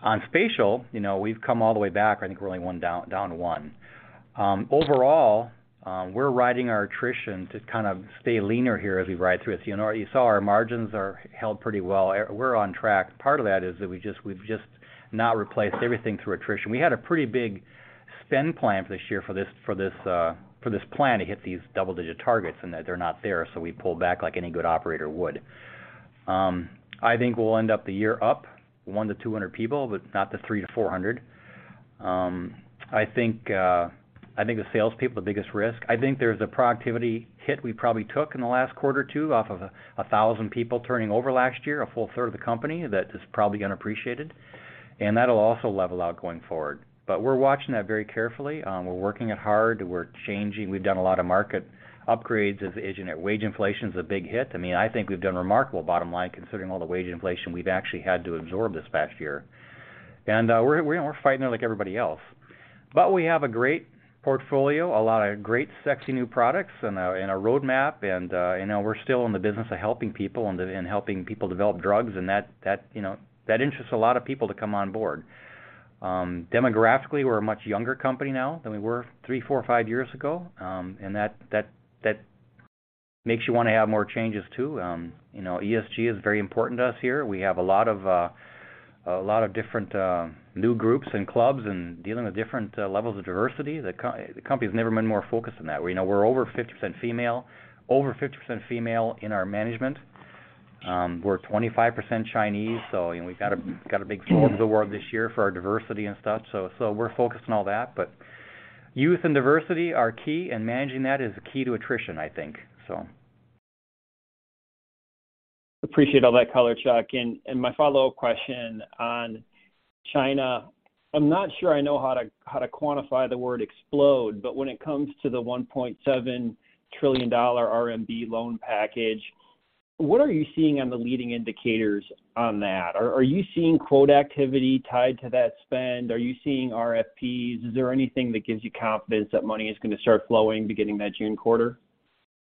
On spatial, you know, we've come all the way back. I think we're only down one. Overall, we're riding our attrition to kind of stay leaner here as we ride through it. You know, you saw our margins are held pretty well. We're on track. Part of that is that we've just not replaced everything through attrition. We had a pretty big spend plan this year for this, for this plan to hit these double-digit targets and that they're not there, so we pulled back like any good operator would. I think we'll end up the year up 100 to 200 people, but not the 300 to 400. I think, I think the salespeople are the biggest risk. I think there's a productivity hit we probably took in the last quarter or two off of 1,000 people turning over last year, a full third of the company that is probably unappreciated, and that'll also level out going forward. We're watching that very carefully. We're working it hard. We're changing. We've done a lot of market upgrades as wage inflation is a big hit. I mean, I think we've done remarkable bottom line considering all the wage inflation we've actually had to absorb this past year. We're fighting it like everybody else. We have a great portfolio, a lot of great, sexy new products and a roadmap. You know, we're still in the business of helping people and helping people develop drugs, and that, you know, that interests a lot of people to come on board. Demographically, we're a much younger company now than we were three, four, five years ago. That makes you want to have more changes too. You know, ESG is very important to us here. We have a lot of, a lot of different, new groups and clubs and dealing with different, levels of diversity. The company's never been more focused on that, where, you know, we're over 50% female, over 50% female in our management. We're 25% Chinese, you know, we've got a big float of the world this year for our diversity and stuff. We're focused on all that. Youth and diversity are key, and managing that is the key to attrition, I think, so. Appreciate all that color, Chuck. My follow-up question on China, I'm not sure I know how to quantify the word explode, when it comes to the $1.7 trillion RMB loan package, what are you seeing on the leading indicators on that? Are you seeing quote activity tied to that spend? Are you seeing RFPs? Is there anything that gives you confidence that money is gonna start flowing beginning that June quarter?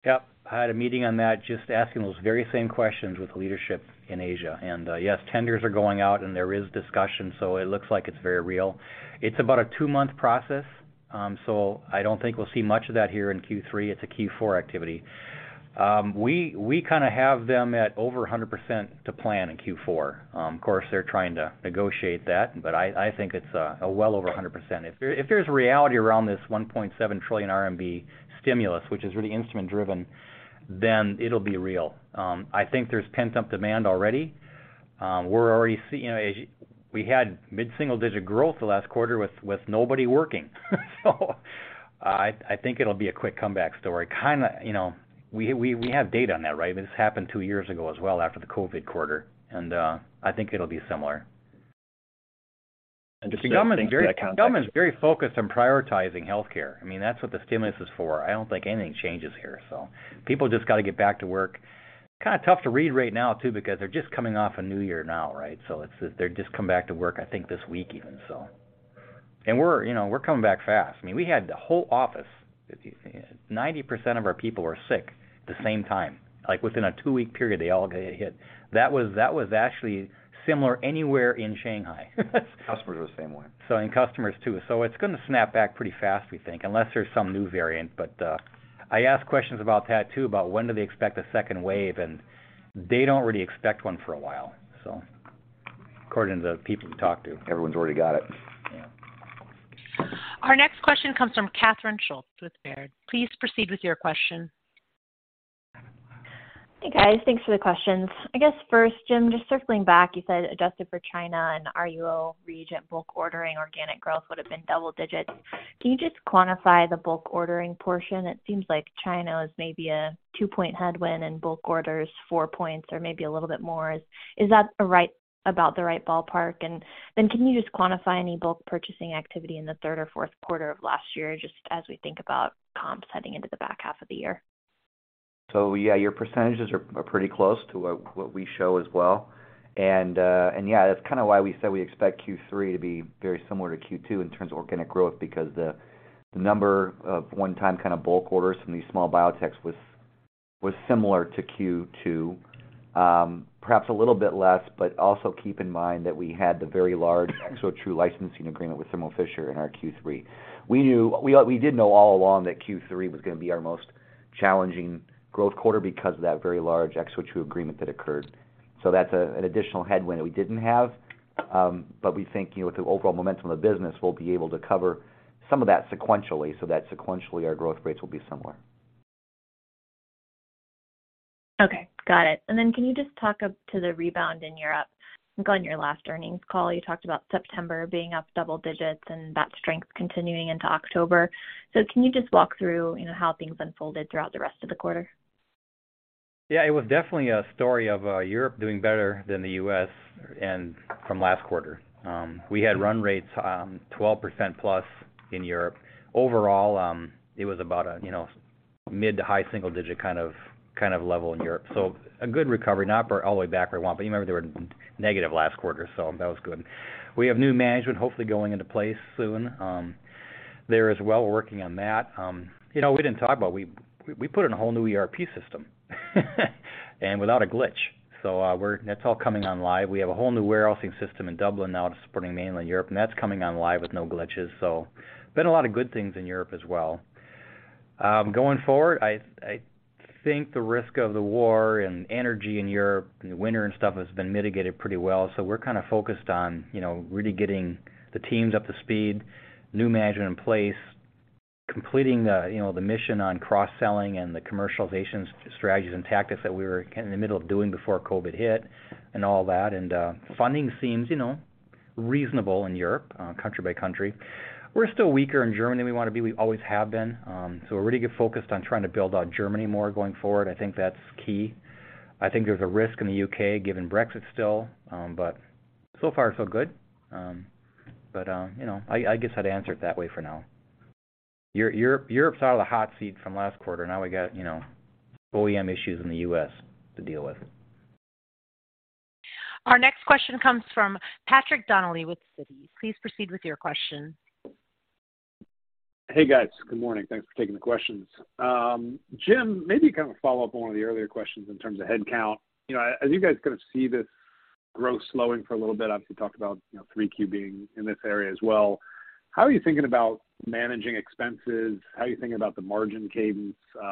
Yep. I had a meeting on that just asking those very same questions with leadership in Asia. Yes, tenders are going out and there is discussion, so it looks like it's very real. It's about a two-month process, so I don't think we'll see much of that here in Q3. It's a Q4 activity. We kind of have them at over 100% to plan in Q4. Of course, they're trying to negotiate that, but I think it's well over 100%. If there's a reality around this $1.7 trillion RMB stimulus, which is really instrument driven, then it'll be real. I think there's pent-up demand already. We're already you know, we had mid-single digit growth the last quarter with nobody working. I think it'll be a quick comeback story. Kinda, you know, we have data on that, right? This happened two years ago as well after the COVID quarter, and I think it'll be similar. Just a- The government's Thanks for that context. The government's very focused on prioritizing healthcare. I mean, that's what the stimulus is for. I don't think anything changes here. People just got to get back to work. Kind of tough to read right now too, because they're just coming off a new year now, right? They're just coming back to work, I think this week even so. We're, you know, we're coming back fast. I mean, we had the whole office, 90% of our people were sick the same time. Like, within a two-week period, they all got hit. That was actually similar anywhere in Shanghai. Customers were the same way. And customers, too. It's gonna snap back pretty fast, we think, unless there's some new variant. I asked questions about that, too, about when do they expect a second wave, and they don't really expect one for a while. According to the people we talked to. Everyone's already got it. Yeah. Our next question comes from Catherine Schulte with Baird. Please proceed with your question. Hey, guys. Thanks for the questions. I guess first, Jim, just circling back, you said adjusted for China and RUO reagent bulk ordering, organic growth would've been double digits. Can you just quantify the bulk ordering portion? It seems like China was maybe a two-point headwind and bulk orders four points or maybe a little bit more. Is that about the right ballpark? Can you just quantify any bulk purchasing activity in the third or fourth quarter of last year, just as we think about comps heading into the back half of the year? Yeah, your percentages are pretty close to what we show as well. Yeah, that's kinda why we said we expect Q3 to be very similar to Q2 in terms of organic growth because the number of one-time kind of bulk orders from these small biotechs was similar to Q2. Perhaps a little bit less, but also keep in mind that we had the very large ExoTRU licensing agreement with Thermo Fisher in our Q3. We did know all along that Q3 was gonna be our most challenging growth quarter because of that very large ExoTRU agreement that occurred. That's an additional headwind that we didn't have. We think, you know, with the overall momentum of the business, we'll be able to cover some of that sequentially, so that sequentially our growth rates will be similar. Okay. Got it. Can you just talk to the rebound in Europe? I think on your last earnings call, you talked about September being up double digits and that strength continuing into October. Can you just walk through, you know, how things unfolded throughout the rest of the quarter? Yeah. It was definitely a story of Europe doing better than the U.S. and from last quarter. We had run rates, 12% plus in Europe. Overall, it was about a, you know, mid to high single digit kind of level in Europe. A good recovery, not all the way back where we want, but you remember they were negative last quarter, that was good. We have new management hopefully going into place soon there as well. We're working on that. You know, we didn't talk about we put in a whole new ERP system and without a glitch. That's all coming on live. We have a whole new warehousing system in Dublin now to supporting mainland Europe, and that's coming on live with no glitches. Been a lot of good things in Europe as well. Going forward, I think the risk of the war and energy in Europe and the winter and stuff has been mitigated pretty well. We're kind of focused on, you know, really getting the teams up to speed, new management in place, completing, you know, the mission on cross-selling and the commercialization strategies and tactics that we were kinda in the middle of doing before COVID hit and all that. Funding seems, you know, reasonable in Europe, country by country. We're still weaker in Germany than we wanna be. We always have been. We're really focused on trying to build out Germany more going forward. I think that's key. I think there's a risk in the U.K. given Brexit still. So far so good. You know, I guess I'd answer it that way for now. Europe's out of the hot seat from last quarter. Now we got, you know, OEM issues in the U.S. to deal with. Our next question comes from Patrick Donnelly with Citi. Please proceed with your question. Hey, guys. Good morning. Thanks for taking the questions. Jim, maybe kind of follow up on one of the earlier questions in terms of headcount. You know, as you guys kind of see this growth slowing for a little bit, obviously talked about, you know, 3Q being in this area as well, how are you thinking about managing expenses? How are you thinking about the margin cadence? You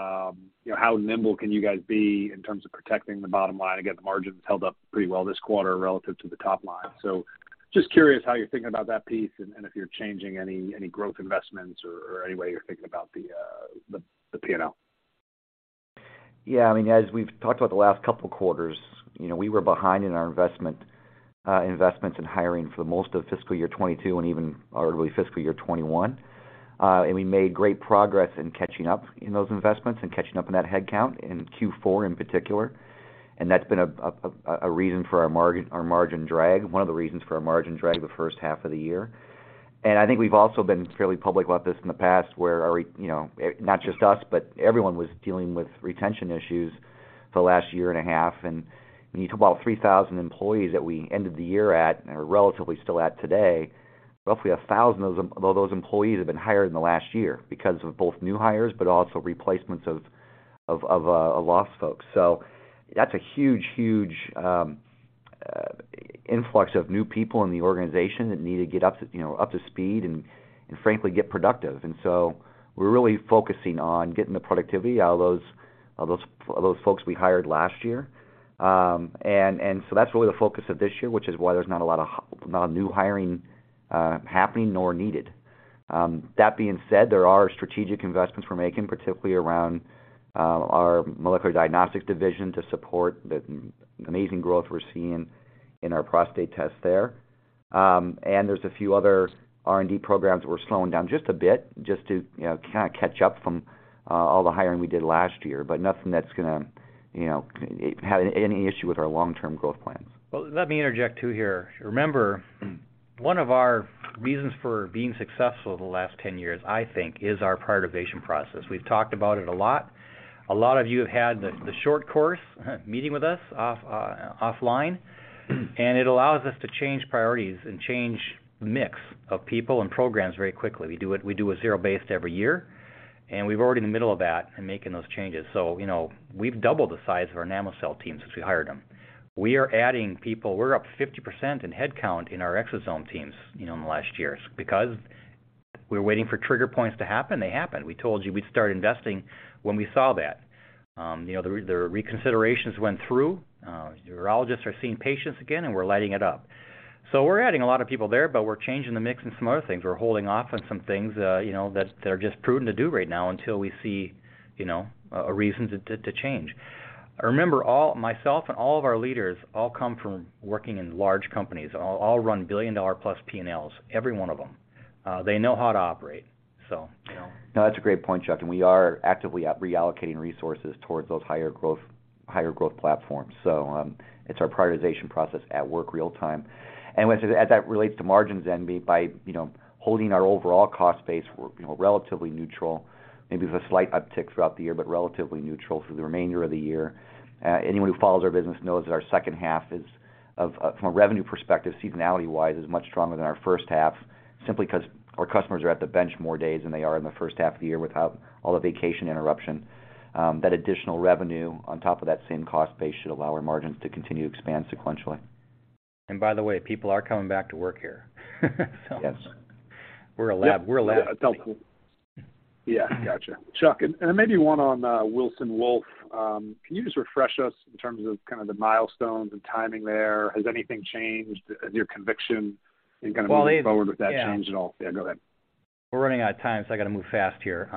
know, how nimble can you guys be in terms of protecting the bottom line? The margins held up pretty well this quarter relative to the top line. So just curious how you're thinking about that piece and if you're changing any growth investments or any way you're thinking about the P&L. Yeah. I mean, as we've talked about the last couple quarters, you know, we were behind in our investment, investments in hiring for most of fiscal year 2022 and even arguably fiscal year 2021. We made great progress in catching up in those investments and catching up in that headcount in Q4 in particular. That's been a reason for our margin drag, one of the reasons for our margin drag the first half of the year. I think we've also been fairly public about this in the past, where our, you know, not just us, but everyone was dealing with retention issues for the last year and a half. When you talk about 3,000 employees that we ended the year at and are relatively still at today, roughly 1,000 of those employees have been hired in the last year because of both new hires, but also replacements of lost folks. That's a huge, huge influx of new people in the organization that need to get up, you know, up to speed and, frankly, get productive. We're really focusing on getting the productivity out of those folks we hired last year. That's really the focus of this year, which is why there's not a lot of not a new hiring happening nor needed. That being said, there are strategic investments we're making, particularly around our molecular diagnostics division to support the amazing growth we're seeing in our prostate test there. There's a few other R&D programs that we're slowing down just a bit just to, you know, kinda catch up from all the hiring we did last year, but nothing that's gonna, you know, have any issue with our long-term growth plans. Well, let me interject, too, here. Remember. One of our reasons for being successful the last 10 years, I think, is our prioritization process. We've talked about it a lot. A lot of you have had the short course meeting with us offline. It allows us to change priorities and change the mix of people and programs very quickly. We do it zero based every year, and we've already in the middle of that and making those changes. You know, we've doubled the size of our Namocell team since we hired them. We are adding people. We're up 50% in head count in our exosome teams, you know, in the last year because we're waiting for trigger points to happen, they happen. We told you we'd start investing when we saw that. You know, the reconsiderations went through. Urologists are seeing patients again, and we're lighting it up. We're adding a lot of people there, but we're changing the mix in some other things. We're holding off on some things, you know, that are just prudent to do right now until we see, you know, a reason to change. Remember, myself and all of our leaders all come from working in large companies, all run billion-dollar-plus PNLs, every one of them. They know how to operate, you know. No, that's a great point, Chuck. We are actively reallocating resources towards those higher growth platforms. It's our prioritization process at work real-time. As that relates to margins, by, you know, holding our overall cost base we're, you know, relatively neutral, maybe with a slight uptick throughout the year, relatively neutral through the remainder of the year. Anyone who follows our business knows that our second half from a revenue perspective, seasonality-wise, is much stronger than our first half, simply 'cause our customers are at the bench more days than they are in the first half of the year without all the vacation interruption. That additional revenue on top of that same cost base should allow our margins to continue to expand sequentially. By the way, people are coming back to work here. Yes. We're a lab. Yeah. Gotcha. Chuck, maybe one on Wilson Wolf. Can you just refresh us in terms of kind of the milestones and timing there? Has anything changed your conviction in kind of moving forward with that change at all? Yeah. Yeah, go ahead. We're running out of time, so I got to move fast here.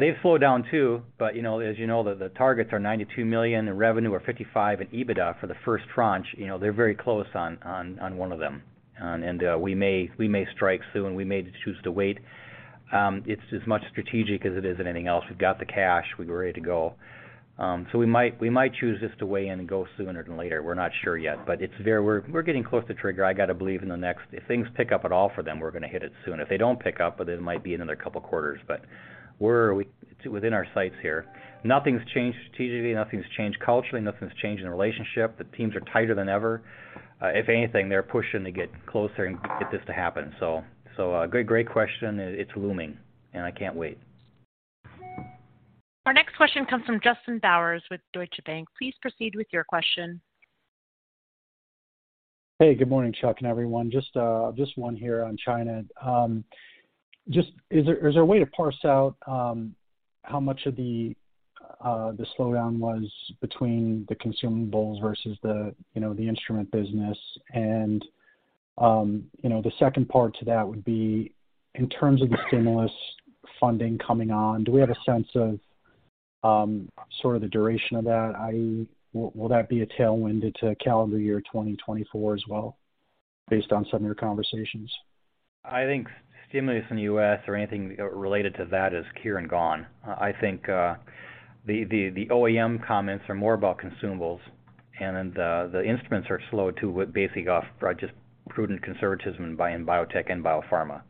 They've slowed down, too, but, you know, as you know, the targets are $92 million in revenue or $55 million in EBITDA for the first tranche. You know, they're very close on one of them. We may strike soon, we may choose to wait. It's as much strategic as it is anything else. We've got the cash, we're ready to go. We might choose just to weigh in and go sooner than later. We're not sure yet, but it's very. We're getting close to trigger. I got to believe in the next. If things pick up at all for them, we're gonna hit it soon. If they don't pick up, it might be another couple quarters. It's within our sights here. Nothing's changed strategically. Nothing's changed culturally. Nothing's changed in the relationship. The teams are tighter than ever. If anything, they're pushing to get closer and get this to happen. Great question. It's looming, and I can't wait. Our next question comes from Justin Bowers with Deutsche Bank. Please proceed with your question. Hey, good morning, Chuck and everyone. Just one here on China. Is there a way to parse out how much of the slowdown was between the consumables versus the, you know, the instrument business? You know, the second part to that would be in terms of the stimulus funding coming on, do we have a sense of sort of the duration of that, i.e., will that be a tailwind into calendar year 2024 as well, based on some of your conversations? I think stimulus in the U.S. or anything related to that is here and gone. I think the OEM comments are more about consumables and the instruments are slow, too, with basically off just prudent conservatism in biotech and biopharma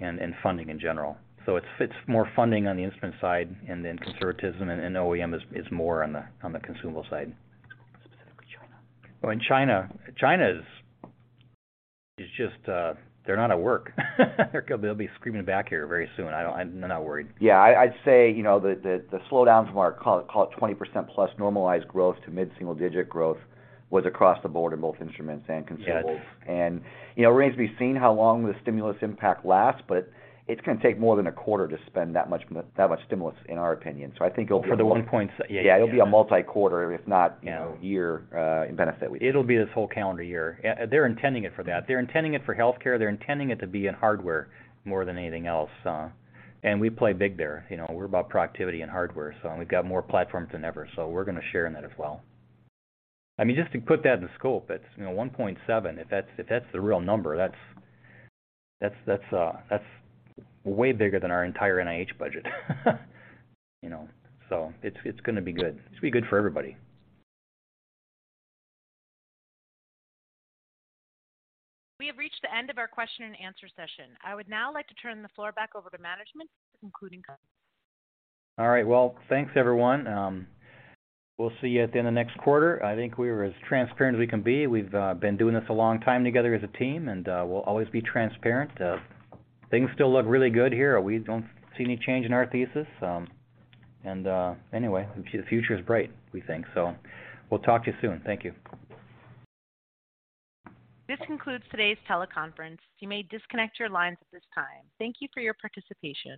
and in funding in general. It fits more funding on the instrument side and then conservatism and OEM is more on the consumable side. Specifically China. Well, in China's is just, they're not at work. They're gonna be screaming back here very soon. I'm not worried. Yeah, I'd say, you know, the slowdowns from our call it 20%+ normalized growth to mid-single digit growth was across the board in both instruments and consumables. Yes. You know, remains to be seen how long the stimulus impact lasts, but it's gonna take more than a quarter to spend that much stimulus, in our opinion. For the one point yeah. Yeah, it'll be a multi-quarter, if not, you know, year, in benefit we think. It'll be this whole calendar year. They're intending it for that. They're intending it for healthcare. They're intending it to be in hardware more than anything else. We play big there. You know, we're about productivity and hardware, so, and we've got more platforms than ever. We're gonna share in that as well. I mean, just to put that in scope, it's, you know, $1.7 trillion RMB. If that's the real number, that's way bigger than our entire NIH budget. You know, it's gonna be good. It's gonna be good for everybody. We have reached the end of our question and answer session. I would now like to turn the floor back over to management for concluding comments. All right. Well, thanks, everyone. We'll see you at the end of next quarter. I think we're as transparent as we can be. We've been doing this a long time together as a team, and we'll always be transparent. Things still look really good here. We don't see any change in our thesis. Anyway, the future is bright, we think. We'll talk to you soon. Thank you. This concludes today's teleconference. You may disconnect your lines at this time. Thank you for your participation.